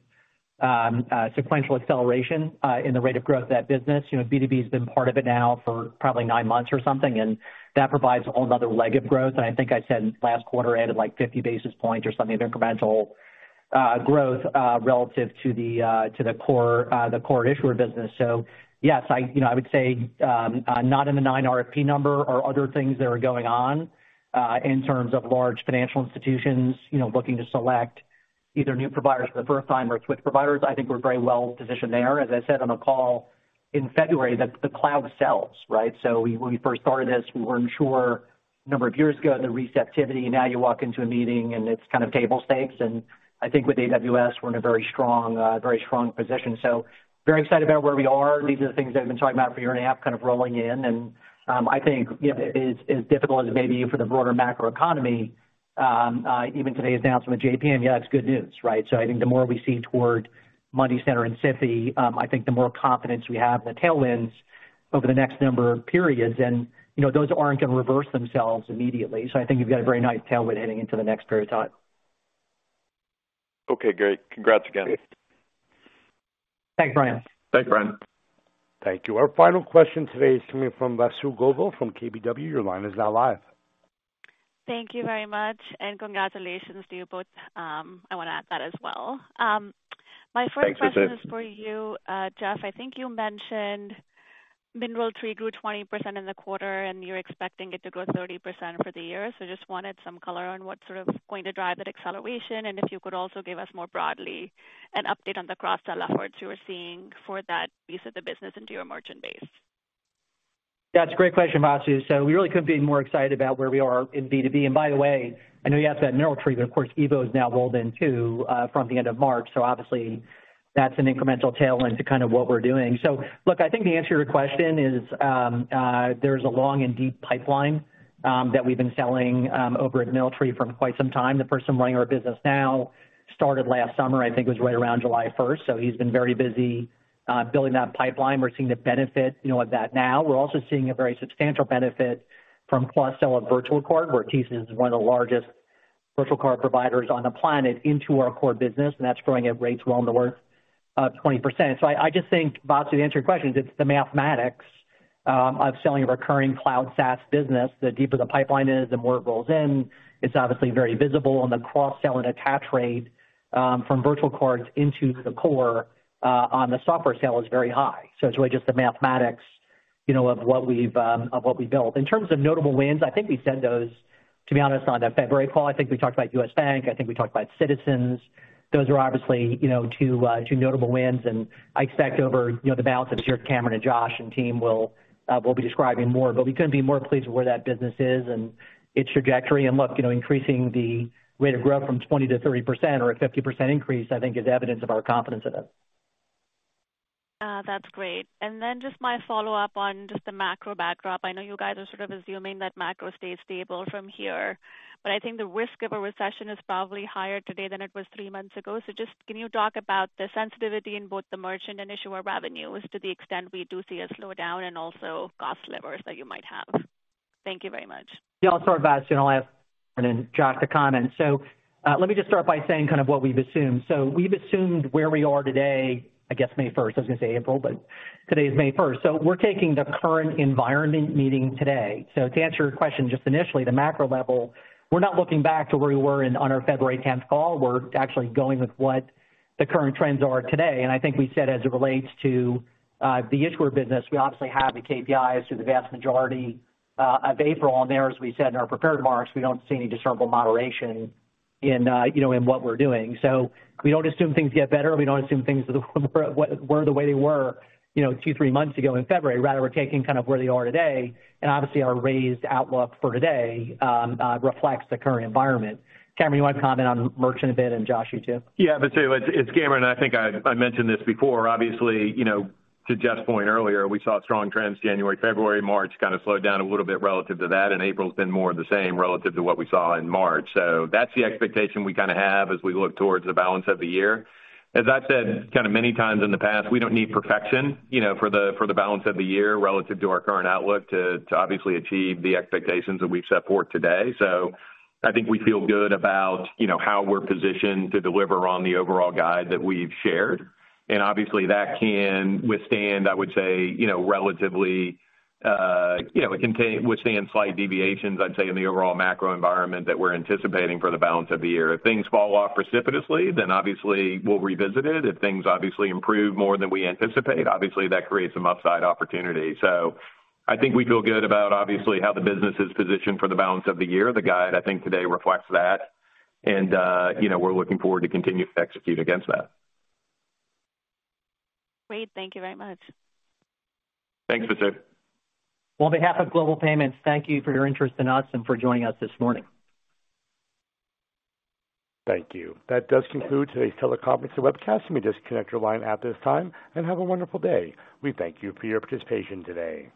sequential acceleration in the rate of growth of that business. You know, B2B has been part of it now for probably nine months or something, and that provides a whole nother leg of growth. And I think I said last quarter added like 50 basis points or something of incremental growth relative to the core, the core issuer business. Yes, I, you know, I would say, not in the nine RFP number or other things that are going on in terms of large financial institutions, you know, looking to select either new providers for the first time or switch providers. I think we're very well positioned there. As I said on the call in February that the cloud sells, right? We first started this, we weren't sure number of years ago, the receptivity. Now you walk into a meeting and it's kind of table stakes. I think with AWS, we're in a very strong, very strong position. Very excited about where we are. These are the things I've been talking about for a year and a half kind of rolling in. I think, you know, as difficult as it may be for the broader macro economy, even today's announcement with JPM, yeah, it's good news, right? I think the more we see toward Money Center and SIFI, I think the more confidence we have in the tailwinds over the next number of periods and, you know, those aren't gonna reverse themselves immediately. I think you've got a very nice tailwind heading into the next period of time. Okay, great. Congrats again. Thanks, Bryan. Thanks, Bryan. Thank you. Our final question today is coming from Vasu Govil from KBW. Your line is now live. Thank you very much and congratulations to you both. I wanna add that as well. My first question. Thanks, Vasu. is for you, Jeff. I think you mentioned MineralTree grew 20% in the quarter. You're expecting it to grow 30% for the year. Just wanted some color on what's sort of going to drive that acceleration. If you could also give us more broadly an update on the cross-sell efforts you are seeing for that piece of the business into your merchant base. That's a great question, Vasu. We really couldn't be more excited about where we are in B2B. By the way, I know you asked about MineralTree, but of course EVO is now rolled in too, from the end of March. Obviously that's an incremental tailwind to kind of what we're doing. Look, I think the answer to your question is, there's a long and deep pipeline that we've been selling over at MineralTree for quite some time. The person running our business now started last summer, I think it was right around July first. He's been very busy building that pipeline. We're seeing the benefit, you know, of that now. We're also seeing a very substantial benefit from plus sell of virtual card, where TSYS is one of the largest virtual card providers on the planet into our core business, and that's growing at rates well into the north of 20%. I just think, Vasu, to answer your question, it's the mathematics of selling a recurring cloud SaaS business. The deeper the pipeline is, the more it rolls in. It's obviously very visible on the cross-sell and attach rate from virtual cards into the core on the software sale is very high. It's really just the mathematics, you know, of what we've of what we've built. In terms of notable wins, I think we said those, to be honest, on that February call. I think we talked about U.S. Bank. I think we talked about Citizens. Those are obviously, you know, two notable wins, and I expect over, you know, the balance of this year Cameron and Josh and team will be describing more, but we couldn't be more pleased with where that business is and its trajectory. Look, you know, increasing the rate of growth from 20%-30% or a 50% increase, I think is evidence of our confidence in it. That's great. Just my follow-up on just the macro backdrop. I know you guys are sort of assuming that macro stays stable from here, but I think the risk of a recession is probably higher today than it was 3 months ago. Just can you talk about the sensitivity in both the merchant and issuer revenues to the extent we do see a slowdown and also cost levers that you might have? Thank you very much. Yeah, I'll start, Vasu, and I'll ask Cameron and Josh to comment. Let me just start by saying kind of what we've assumed. We've assumed where we are today, I guess May 1st. I was gonna say April, but today is May 1st. We're taking the current environment meeting today. To answer your question, just initially the macro level, we're not looking back to where we were in on our February 10th call. We're actually going with what the current trends are today. I think we said as it relates to the issuer business, we obviously have the KPIs through the vast majority of April on there. As we said in our prepared remarks, we don't see any discernible moderation in, you know, in what we're doing. We don't assume things get better. We don't assume things were the way they were, you know, two, three months ago in February. Rather, we're taking kind of where they are today and obviously our raised outlook for today reflects the current environment. Cameron, you want to comment on merchant a bit and Josh, you too? Vasu, it's Cameron. I think I mentioned this before, obviously, you know, to Jeff's point earlier, we saw strong trends January, February. March kind of slowed down a little bit relative to that, and April's been more of the same relative to what we saw in March. So that's the expectation we kinda have as we look towards the balance of the year. As I've said kinda many times in the past, we don't need perfection, you know, for the, for the balance of the year relative to our current outlook to obviously achieve the expectations that we've set forth today. So I think we feel good about, you know, how we're positioned to deliver on the overall guide that we've shared. Obviously that can withstand, I would say, you know, relatively, you know, it can withstand slight deviations, I'd say, in the overall macro environment that we're anticipating for the balance of the year. If things fall off precipitously, obviously we'll revisit it. If things obviously improve more than we anticipate, obviously that creates some upside opportunity. I think we feel good about obviously how the business is positioned for the balance of the year. The guide I think today reflects that, you know, we're looking forward to continue to execute against that. Great. Thank you very much. Thanks, Vasu. On behalf of Global Payments, thank you for your interest in us and for joining us this morning. Thank you. That does conclude today's teleconference and webcast. You may disconnect your line at this time and have a wonderful day. We thank you for your participation today.